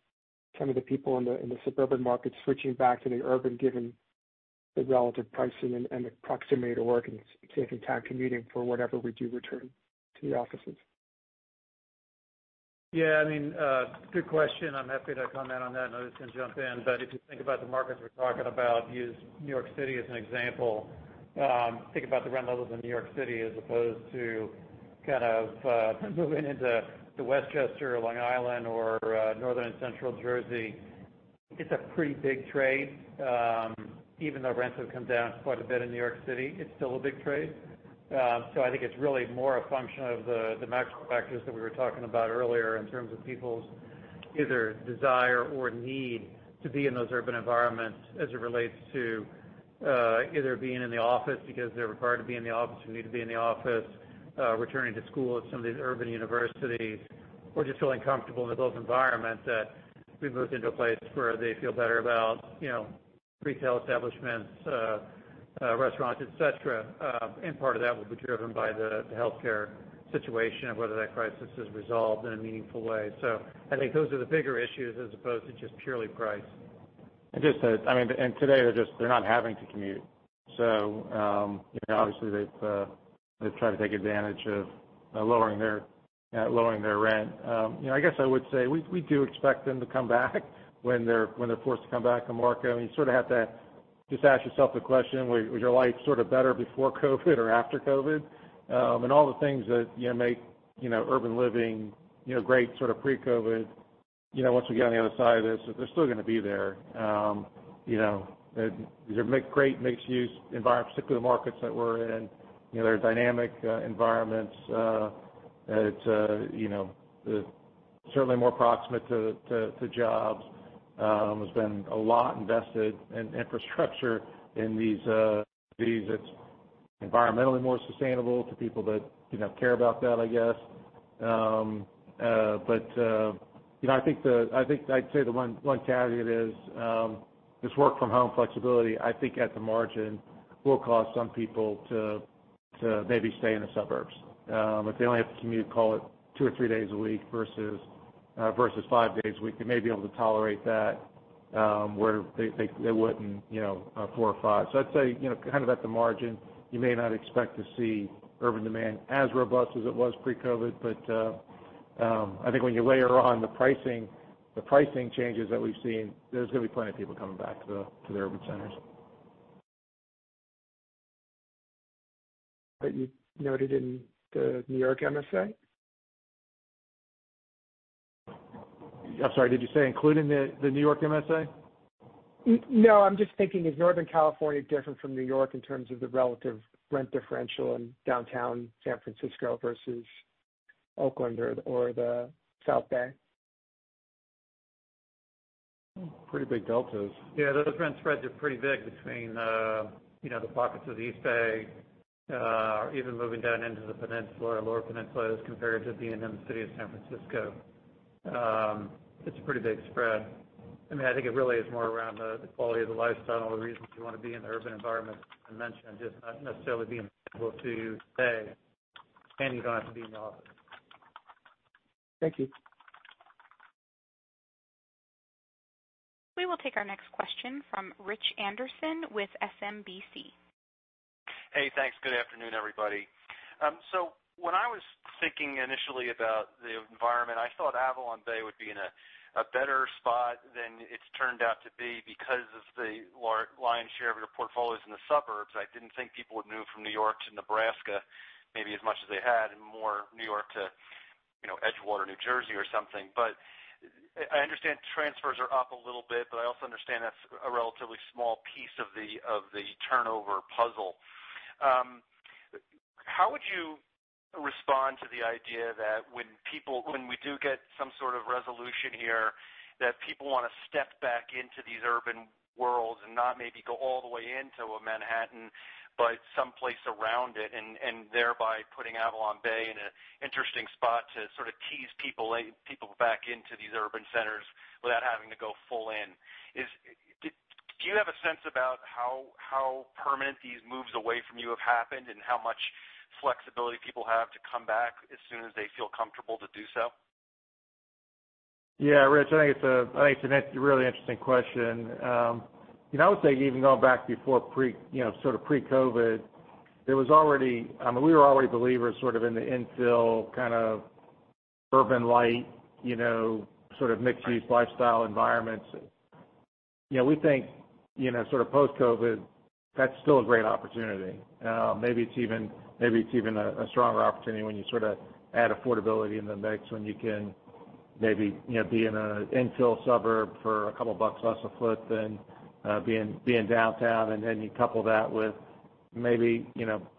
some of the people in the suburban market switching back to the urban, given the relative pricing and the proximity to work and saving time commuting for whatever we do return to the offices? Yeah, good question. I'm happy to comment on that, and others can jump in. If you think about the markets we're talking about, use New York City as an example. Think about the rent levels in New York City as opposed to kind of moving into Westchester or Long Island or Northern and Central Jersey. It's a pretty big trade. Even though rents have come down quite a bit in New York City, it's still a big trade. I think it's really more a function of the macro factors that we were talking about earlier in terms of people's either desire or need to be in those urban environments as it relates to either being in the office because they're required to be in the office or need to be in the office, returning to school at some of these urban universities, or just feeling comfortable in those environments that we moved into a place where they feel better about retail establishments, restaurants, et cetera. Part of that will be driven by the healthcare situation of whether that crisis is resolved in a meaningful way. I think those are the bigger issues as opposed to just purely price. Today, they're not having to commute. Obviously, they've tried to take advantage of lowering their rent. I guess I would say we do expect them to come back when they're forced to come back to market. You sort of have to just ask yourself the question, was your life sort of better before COVID or after COVID? All the things that make urban living great sort of pre-COVID, once we get on the other side of this, they're still going to be there. These are great mixed-use environments, particularly the markets that we're in. They're dynamic environments. It's certainly more proximate to jobs. There's been a lot invested in infrastructure in these cities. It's environmentally more sustainable to people that care about that, I guess. I think I'd say the one caveat is this work-from-home flexibility, I think at the margin, will cause some people to maybe stay in the suburbs. If they only have to commute, call it two or three days a week versus five days a week, they may be able to tolerate that where they wouldn't four or five. I'd say kind of at the margin, you may not expect to see urban demand as robust as it was pre-COVID. I think when you layer on the pricing changes that we've seen, there's going to be plenty of people coming back to the urban centers. That you noted in the New York MSA? I'm sorry, did you say including the New York MSA? No, I'm just thinking, is Northern California different from New York in terms of the relative rent differential in downtown San Francisco versus Oakland or the South Bay? Pretty big deltas. Yeah. Those rent spreads are pretty big between the pockets of the East Bay even moving down into the lower peninsula, as compared to being in the city of San Francisco. It's a pretty big spread. I think it really is more around the quality of the lifestyle and all the reasons you want to be in the urban environment I mentioned, just not necessarily being able to pay, and you don't have to be in the office. Thank you. We will take our next question from Rich Anderson with SMBC. Hey, thanks. Good afternoon, everybody. When I was thinking initially about the environment, I thought AvalonBay would be in a better spot than it's turned out to be because of the lion's share of your portfolio's in the suburbs. I didn't think people would move from New York to Nebraska maybe as much as they had, and more New York to Edgewater, New Jersey or something. I understand transfers are up a little bit, but I also understand that's a relatively small piece of the turnover puzzle. How would you respond to the idea that when we do get some sort of resolution here, that people want to step back into these urban worlds and not maybe go all the way into a Manhattan, but someplace around it, and thereby putting AvalonBay in an interesting spot to sort of tease people back into these urban centers without having to go full in? Do you have a sense about how permanent these moves away from you have happened, and how much flexibility people have to come back as soon as they feel comfortable to do so? Yeah, Rich, I think it's a really interesting question. I would say even going back before pre-COVID, we were already believers in the infill kind of urban light, mixed-use lifestyle environments. We think post-COVID, that's still a great opportunity. Maybe it's even a stronger opportunity when you add affordability in the mix, when you can maybe be in an infill suburb for a couple of bucks less a foot than being downtown, and then you couple that with maybe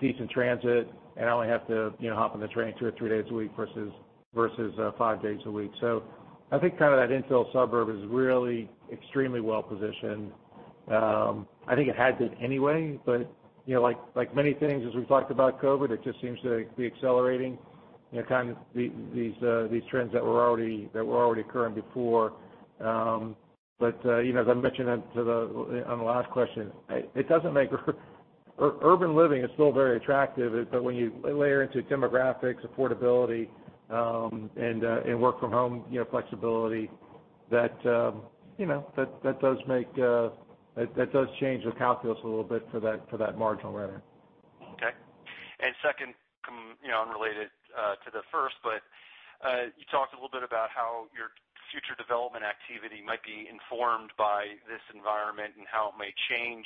decent transit, and only have to hop on the train two or three days a week versus five days a week. I think that infill suburb is really extremely well-positioned. I think it had been anyway, but like many things as we've talked about COVID, it just seems to be accelerating these trends that were already occurring before. As I mentioned on the last question, urban living is still very attractive, but when you layer into demographics, affordability, and work from home flexibility, that does change the calculus a little bit for that marginal renter. Okay. Second, unrelated to the first, you talked a little bit about how your future development activity might be informed by this environment and how it may change.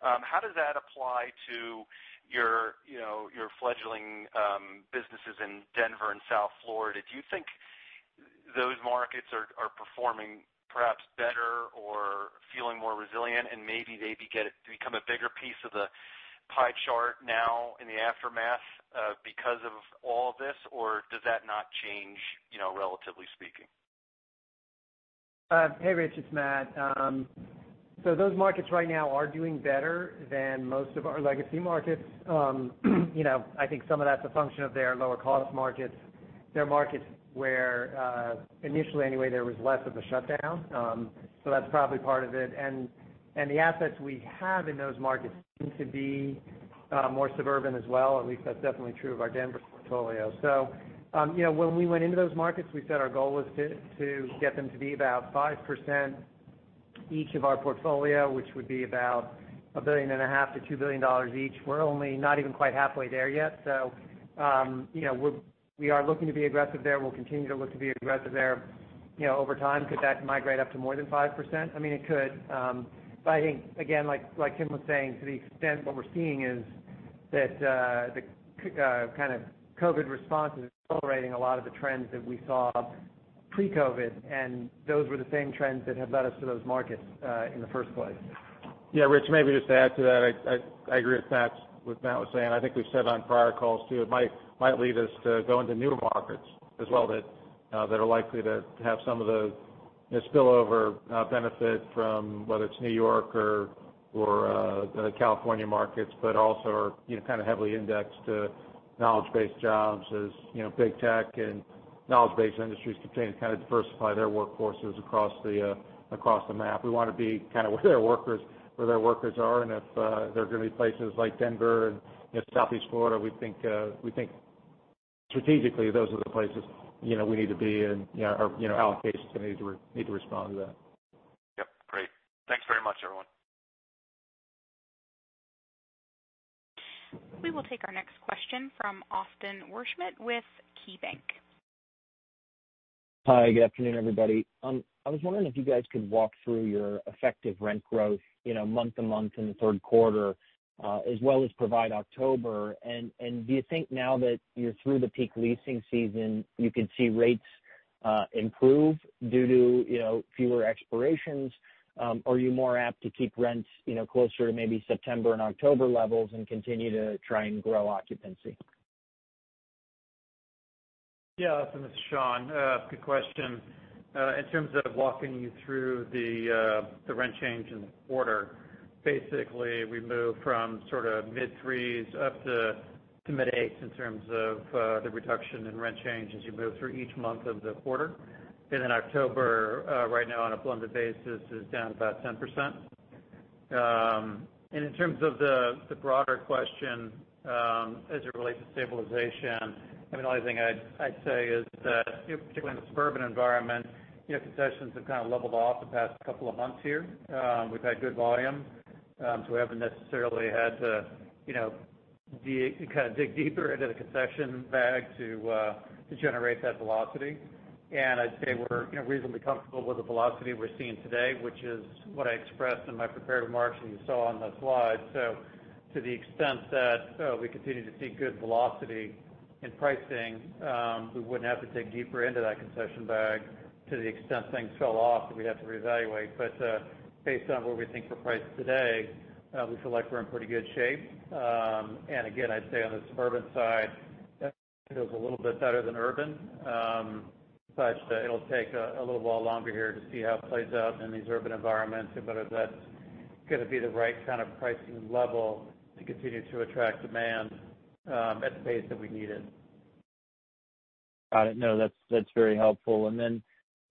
How does that apply to your fledgling businesses in Denver and South Florida? Do you think those markets are performing perhaps better or feeling more resilient, maybe they become a bigger piece of the pie chart now in the aftermath because of all this, or does that not change, relatively speaking? Hey, Rich, it's Matt. Those markets right now are doing better than most of our legacy markets. I think some of that's a function of they are lower cost markets. They're markets where, initially anyway, there was less of a shutdown. That's probably part of it. The assets we have in those markets seem to be more suburban as well. At least that's definitely true of our Denver portfolio. When we went into those markets, we said our goal was to get them to be about 5% each of our portfolio, which would be about $1.5 billion-$2 billion each. We're only not even quite halfway there yet. We are looking to be aggressive there. We'll continue to look to be aggressive there. Over time, could that migrate up to more than 5%? I mean, it could. I think, again, like Tim was saying, to the extent what we're seeing is that the kind of COVID response is accelerating a lot of the trends that we saw pre-COVID, and those were the same trends that have led us to those markets in the first place. Yeah, Rich, maybe just to add to that, I agree with what Matt was saying. I think we've said on prior calls, too, it might lead us to go into newer markets as well, that are likely to have some of the spillover benefit from whether it's New York or the California markets, but also are kind of heavily indexed to knowledge-based jobs as big tech and knowledge-based industries continue to kind of diversify their workforces across the map. We want to be kind of where their workers are, and if they're going to be places like Denver and Southeast Florida, we think strategically, those are the places we need to be, and our allocations need to respond to that. Yep. Great. Thanks very much, everyone. We will take our next question from Austin Wurschmidt with KeyBanc. Hi. Good afternoon, everybody. I was wondering if you guys could walk through your effective rent growth month-to-month in the third quarter, as well as provide October. Do you think now that you're through the peak leasing season, you can see rates improve due to fewer expirations? Are you more apt to keep rents closer to maybe September and October levels and continue to try and grow occupancy? Yeah, Austin, this is Sean. Good question. In terms of walking you through the rent change in the quarter, basically, we moved from sort of mid threes up to mid eights in terms of the reduction in rent change as you move through each month of the quarter. October, right now on a blended basis, is down about 10%. In terms of the broader question as it relates to stabilization, the only thing I'd say is that, particularly in the suburban environment, concessions have kind of leveled off the past couple of months here. We've had good volume, so we haven't necessarily had to dig deeper into the concession bag to generate that velocity. I'd say we're reasonably comfortable with the velocity we're seeing today, which is what I expressed in my prepared remarks, and you saw on the slides. To the extent that we continue to see good velocity in pricing, we wouldn't have to dig deeper into that concession bag. To the extent things fell off, we'd have to reevaluate. Based on where we think we're priced today, we feel like we're in pretty good shape. Again, I'd say on the suburban side, that feels a little bit better than urban. It'll take a little while longer here to see how it plays out in these urban environments and whether that's going to be the right kind of pricing level to continue to attract demand at the pace that we need it. Got it. No, that's very helpful.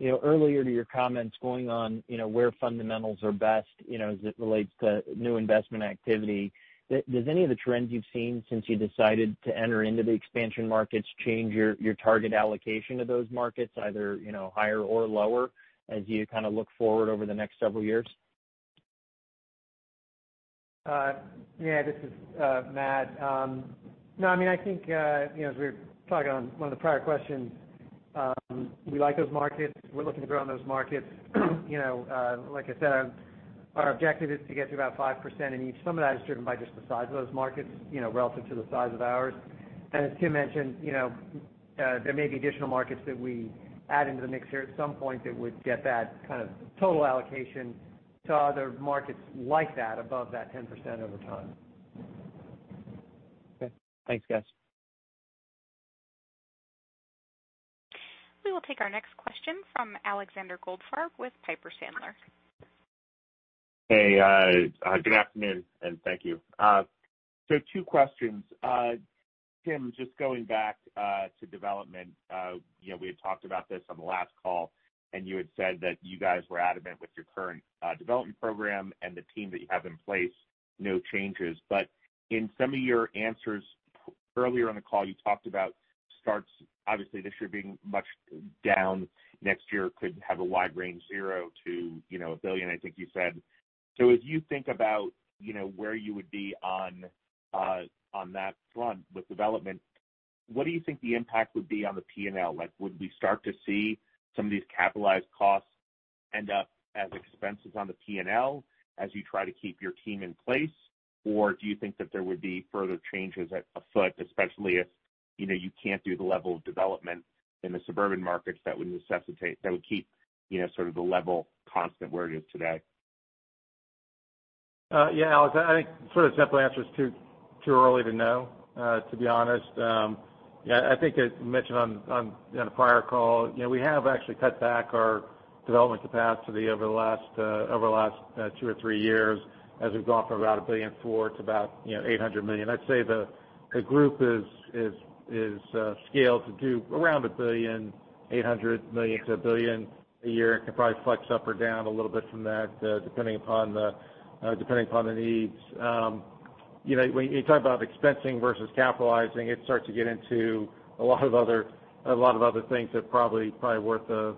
Earlier to your comments going on where fundamentals are best as it relates to new investment activity, does any of the trends you've seen since you decided to enter into the expansion markets change your target allocation to those markets, either higher or lower, as you look forward over the next several years? Yeah, this is Matt. No, I think, as we were talking on one of the prior questions, we like those markets. We're looking to grow in those markets. Like I said, our objective is to get to about 5% in each. Some of that is driven by just the size of those markets, relative to the size of ours. As Tim mentioned, there may be additional markets that we add into the mix here at some point that would get that kind of total allocation to other markets like that above that 10% over time. Okay. Thanks, guys. We will take our next question from Alexander Goldfarb with Piper Sandler. Hey, good afternoon, and thank you. Two questions. Tim, just going back to development. We had talked about this on the last call, and you had said that you guys were adamant with your current development program and the team that you have in place, no changes. In some of your answers earlier in the call, you talked about starts obviously distributing much down next year could have a wide range, zero to $1 billion, I think you said. As you think about where you would be on that front with development, what do you think the impact would be on the P&L? Would we start to see some of these capitalized costs end up as expenses on the P&L as you try to keep your team in place, or do you think that there would be further changes afoot, especially if you can't do the level of development in the suburban markets that would keep sort of the level constant where it is today? Yeah, Alex, I think the simple answer is too early to know, to be honest. I think as we mentioned on a prior call, we have actually cut back our development capacity over the last two or three years as we've gone from about $1.4 billion to about $800 million. I'd say the group is scaled to do around $1 billion, $800 million-$1 billion a year, and can probably flex up or down a little bit from that, depending upon the needs. When you talk about expensing versus capitalizing, it starts to get into a lot of other things that probably are worth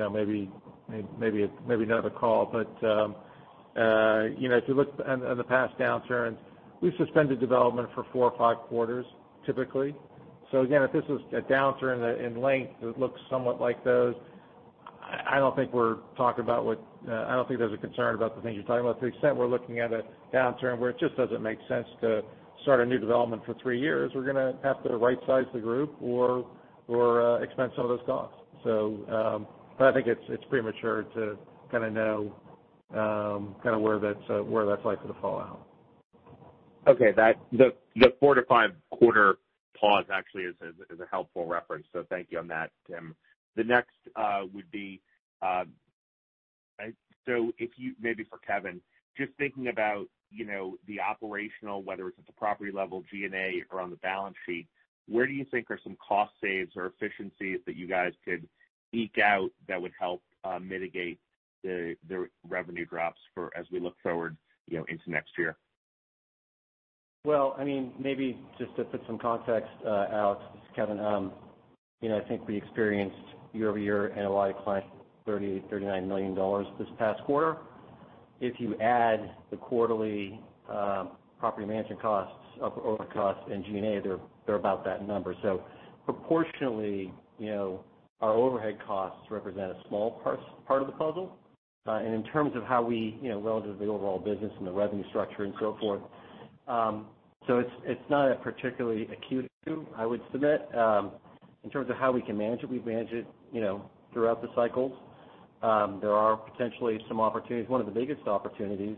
maybe another call. If you look in the past downturns, we've suspended development for four or five quarters typically. Again, if this was a downturn in length that looks somewhat like those, I don't think there's a concern about the things you're talking about to the extent we're looking at a downturn where it just doesn't make sense to start a new development for three years. We're going to have to right-size the group or expense some of those costs. I think it's premature to know where that's likely to fall out. Okay. The four-to-five quarter pause actually is a helpful reference, so thank you on that, Tim. The next would be maybe for Kevin. Just thinking about the operational, whether it's at the property level, G&A, or on the balance sheet, where do you think are some cost saves or efficiencies that you guys could eke out that would help mitigate the revenue drops as we look forward into next year? Maybe just to put some context, Alex, this is Kevin. I think we experienced year-over-year an NOI decline, $38 million, $39 million this past quarter. If you add the quarterly property management costs, other costs and G&A, they're about that number. Proportionally, our overhead costs represent a small part of the puzzle. In terms of how we, relative to the overall business and the revenue structure and so forth. It's not a particularly acute issue, I would submit. In terms of how we can manage it, we've managed it throughout the cycles. There are potentially some opportunities. One of the biggest opportunities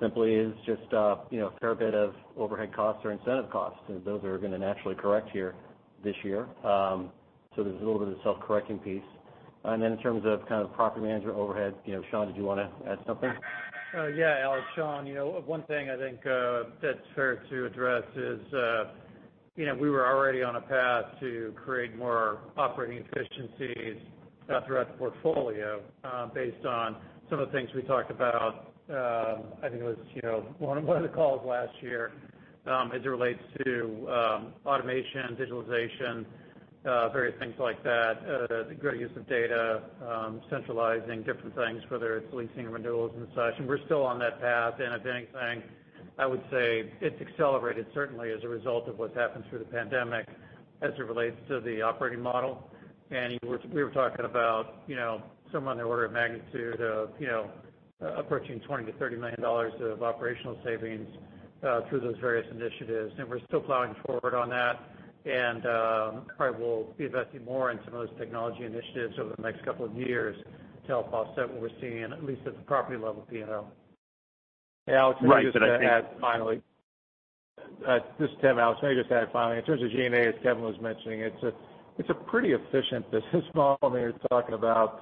simply is just a fair bit of overhead costs or incentive costs, and those are going to naturally correct here this year. There's a little bit of self-correcting piece. In terms of property management overhead, Sean, did you want to add something? Yeah, Alex, it's Sean. One thing I think that's fair to address is we were already on a path to create more operating efficiencies throughout the portfolio based on some of the things we talked about, I think it was one of the calls last year, as it relates to automation, digitalization, various things like that, the greater use of data, centralizing different things, whether it's leasing renewals and such, and we're still on that path. If anything, I would say it's accelerated certainly as a result of what's happened through the pandemic as it relates to the operating model. We were talking about somewhere on the order of magnitude of approaching $20 million-$30 million of operational savings through those various initiatives, and we're still plowing forward on that. Probably we'll be investing more in some of those technology initiatives over the next couple of years to help offset what we're seeing, at least at the property level P&L. Hey, Alex. Right. Let me just add finally. This is Tim, Alex. May I just add finally, in terms of G&A, as Kevin was mentioning, it's a pretty efficient business model when you're talking about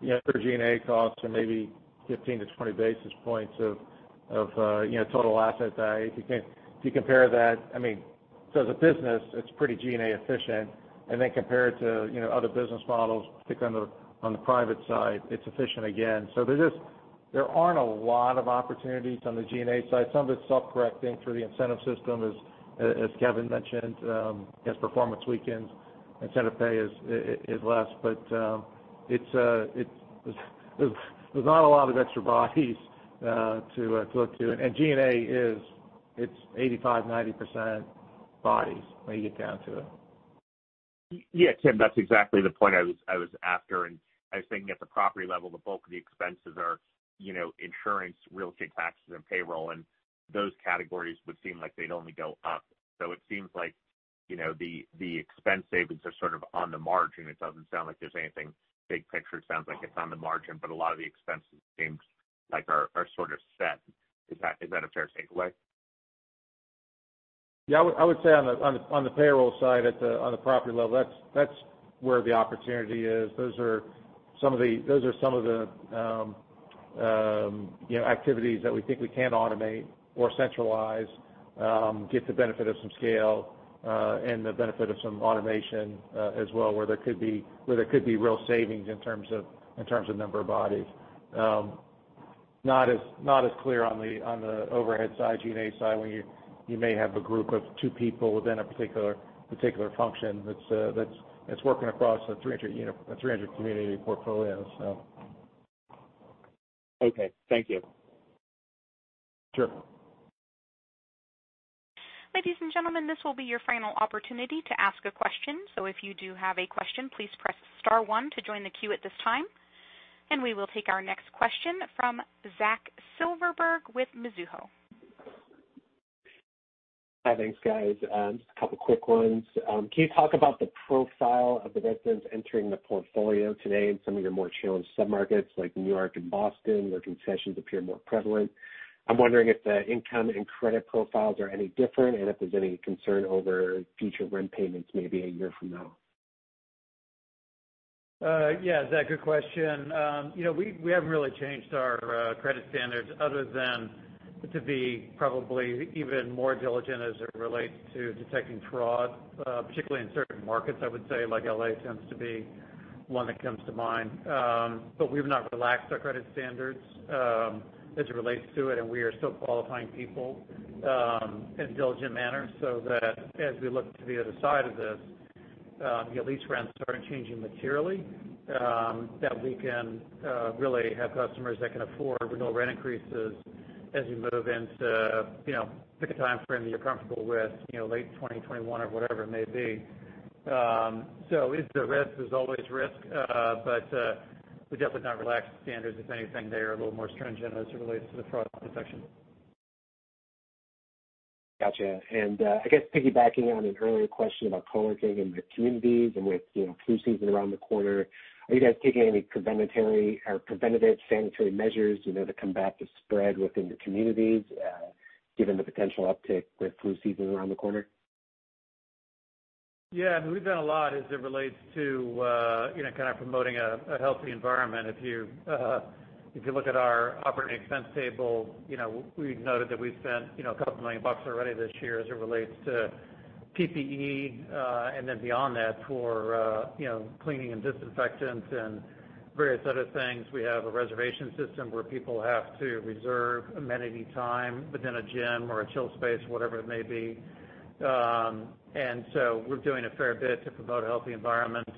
G&A costs or maybe 15-20 basis points of total asset value. As a business, it's pretty G&A-efficient. Compare it to other business models, particularly on the private side, it's efficient again. There just aren't a lot of opportunities on the G&A side. Some of it's self-correcting through the incentive system, as Kevin mentioned, as performance weakens, incentive pay is less. There's not a lot of extra bodies to look to. G&A is, it's 85%, 90% bodies, when you get down to it. Yeah, Tim, that's exactly the point I was after. I was thinking at the property level, the bulk of the expenses are insurance, real estate taxes, and payroll, and those categories would seem like they'd only go up. It seems like the expense savings are sort of on the margin. It doesn't sound like there's anything big picture. It sounds like it's on the margin, but a lot of the expenses seem like are sort of set. Is that a fair takeaway? Yeah, I would say on the payroll side, on the property level, that's where the opportunity is. Those are some of the activities that we think we can automate or centralize, get the benefit of some scale, and the benefit of some automation as well, where there could be real savings in terms of number of bodies. Not as clear on the overhead side, G&A side, when you may have a group of two people within a particular function that's working across a 300-community portfolio. Okay. Thank you. Sure. Ladies and gentlemen, this will be your final opportunity to ask a question. If you do have a question, please press star one to join the queue at this time. We will take our next question from Zach Silverberg with Mizuho. Hi. Thanks, guys. Just a couple quick ones. Can you talk about the profile of the residents entering the portfolio today in some of your more challenged sub-markets like New York and Boston, where concessions appear more prevalent? I'm wondering if the income and credit profiles are any different, and if there's any concern over future rent payments maybe a year from now. Yeah, Zach, good question. We haven't really changed our credit standards other than to be probably even more diligent as it relates to detecting fraud, particularly in certain markets, I would say, like L.A. seems to be one that comes to mind. We've not relaxed our credit standards as it relates to it, and we are still qualifying people in a diligent manner, so that as we look to the other side of this, lease rents aren't changing materially, that we can really have customers that can afford renewal rent increases as you move into, pick a time frame that you're comfortable with, late 2021 or whatever it may be. There's always risk. We've definitely not relaxed the standards. If anything, they are a little more stringent as it relates to the fraud detection. Got you. I guess piggybacking on an earlier question about co-working in the communities and with flu season around the corner, are you guys taking any preventative sanitary measures to combat the spread within the communities, given the potential uptick with flu season around the corner? Yeah. We've done a lot as it relates to kind of promoting a healthy environment. If you look at our operating expense table, we've noted that we've spent a couple million bucks already this year as it relates to PPE, and then beyond that for cleaning and disinfectants and various other things. We have a reservation system where people have to reserve amenity time within a gym or a chill space, whatever it may be. We're doing a fair bit to promote a healthy environment.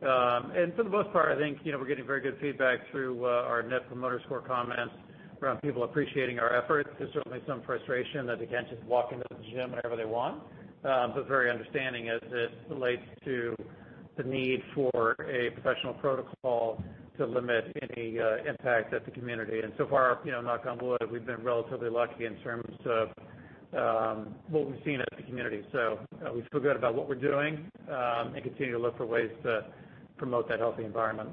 For the most part, I think, we're getting very good feedback through our Net Promoter Score comments around people appreciating our efforts. There's certainly some frustration that they can't just walk into the gym whenever they want. Very understanding as it relates to the need for a professional protocol to limit any impact at the community. So far, knock on wood, we've been relatively lucky in terms of what we've seen at the community. We feel good about what we're doing, and continue to look for ways to promote that healthy environment.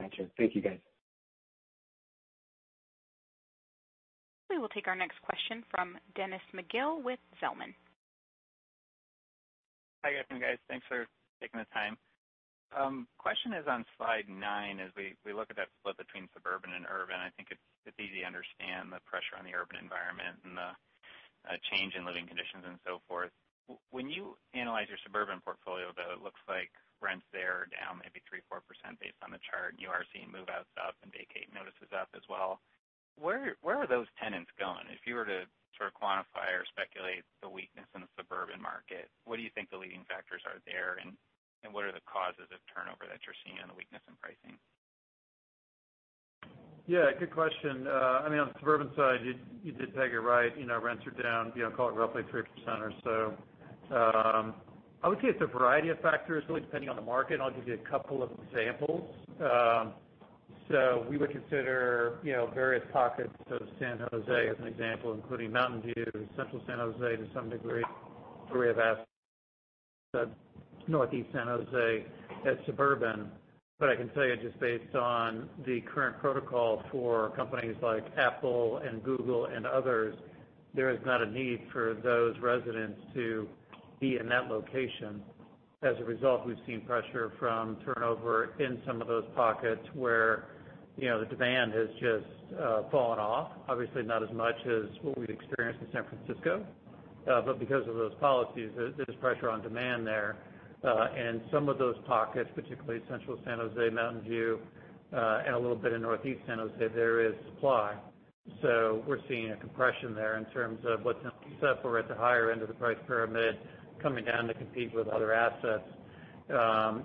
Got you. Thank you, guys. We will take our next question from Dennis McGill with Zelman. Hi, good afternoon, guys. Thanks for taking the time. Question is on slide nine, as we look at that split between suburban and urban, I think it's easy to understand the pressure on the urban environment and the change in living conditions and so forth. When you analyze your suburban portfolio, though, it looks like rents there are down maybe 3%, 4% based on the chart. You are seeing move-outs up and vacate notices up as well. Where are those tenants going? If you were to sort of quantify or speculate the weakness in the suburban market, what do you think the leading factors are there, and what are the causes of turnover that you're seeing on the weakness in pricing? Good question. On the suburban side, you did peg it right. Rents are down, call it roughly 3% or so. I would say it's a variety of factors, really depending on the market, and I'll give you a couple of examples. We would consider various pockets of San Jose as an example, including Mountain View, Central San Jose to some degree. We have classed Northeast San Jose as suburban. I can tell you just based on the current protocol for companies like Apple and Google and others, there is not a need for those residents to be in that location. As a result, we've seen pressure from turnover in some of those pockets where the demand has just fallen off. Obviously, not as much as what we'd experienced in San Francisco. Because of those policies, there's pressure on demand there. Some of those pockets, particularly Central San Jose, Mountain View, and a little bit in Northeast San Jose, there is supply. We're seeing a compression there in terms of what's now set for at the higher end of the price pyramid, coming down to compete with other assets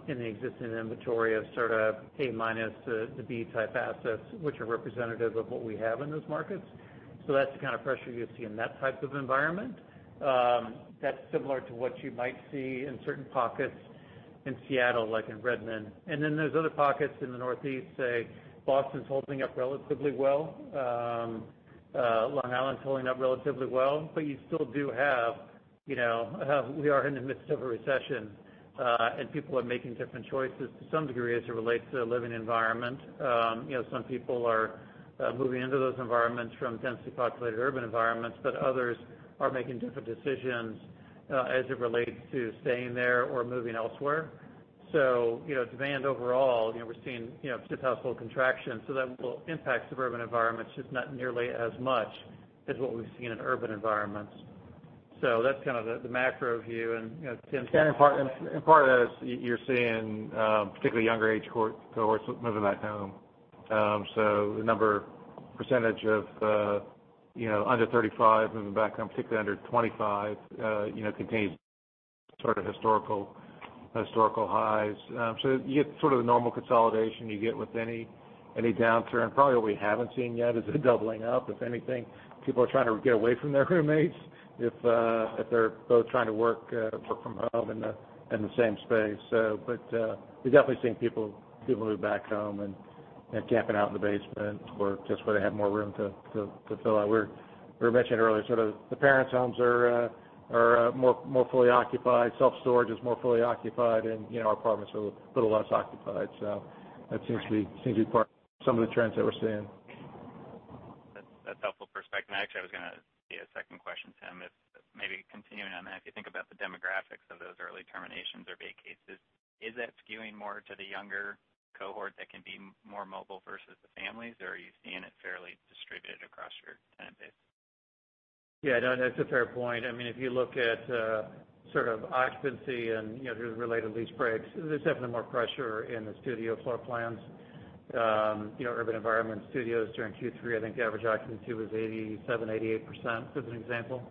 in the existing inventory of sort of A-, the B type assets, which are representative of what we have in those markets. That's the kind of pressure you'd see in that type of environment. That's similar to what you might see in certain pockets in Seattle, like in Redmond. There's other pockets in the Northeast, say, Boston's holding up relatively well. Long Island's holding up relatively well. We are in the midst of a recession, and people are making different choices to some degree as it relates to their living environment. Some people are moving into those environments from densely populated urban environments, but others are making different decisions as it relates to staying there or moving elsewhere. Demand overall, we're seeing household contraction. That will impact suburban environments, just not nearly as much as what we've seen in urban environments. That's kind of the macro view, and Tim can- Part of that is you're seeing, particularly younger age cohorts moving back home. The number, percentage of under 35 moving back home, particularly under 25, contains sort of historical highs. You get sort of the normal consolidation you get with any downturn. Probably what we haven't seen yet is the doubling up. If anything, people are trying to get away from their roommates if they're both trying to work from home in the same space. We're definitely seeing people move back home and camping out in the basement or just where they have more room to fill out. We were mentioning earlier, sort of the parents' homes are more fully occupied, self-storage is more fully occupied, and our apartments are a little less occupied. That seems to be part of some of the trends that we're seeing. That's a helpful perspective. Actually, I was going to see a second question, Tim, if maybe continuing on that. If you think about the demographics of those early terminations or vacates, is that skewing more to the younger cohort that can be more mobile versus the families, or are you seeing it fairly distributed across your tenant base? Yeah, that's a fair point. If you look at sort of occupancy and the related lease breaks, there's definitely more pressure in the studio floor plans. Urban environment studios during Q3, I think average occupancy was 87%, 88%, as an example.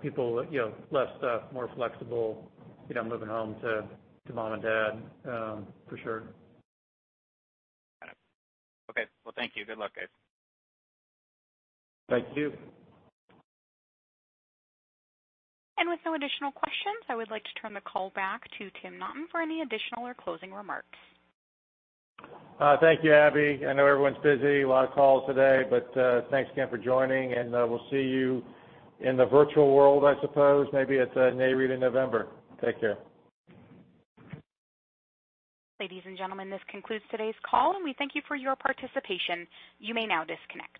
People, less stuff, more flexible, moving home to mom and dad, for sure. Got it. Okay. Well, thank you. Good luck, guys. Thank you. With no additional questions, I would like to turn the call back to Tim Naughton for any additional or closing remarks. Thank you, Abby. I know everyone's busy. A lot of calls today, but thanks again for joining, and we'll see you in the virtual world, I suppose, maybe at Nareit in November. Take care. Ladies and gentlemen, this concludes today's call, and we thank you for your participation. You may now disconnect.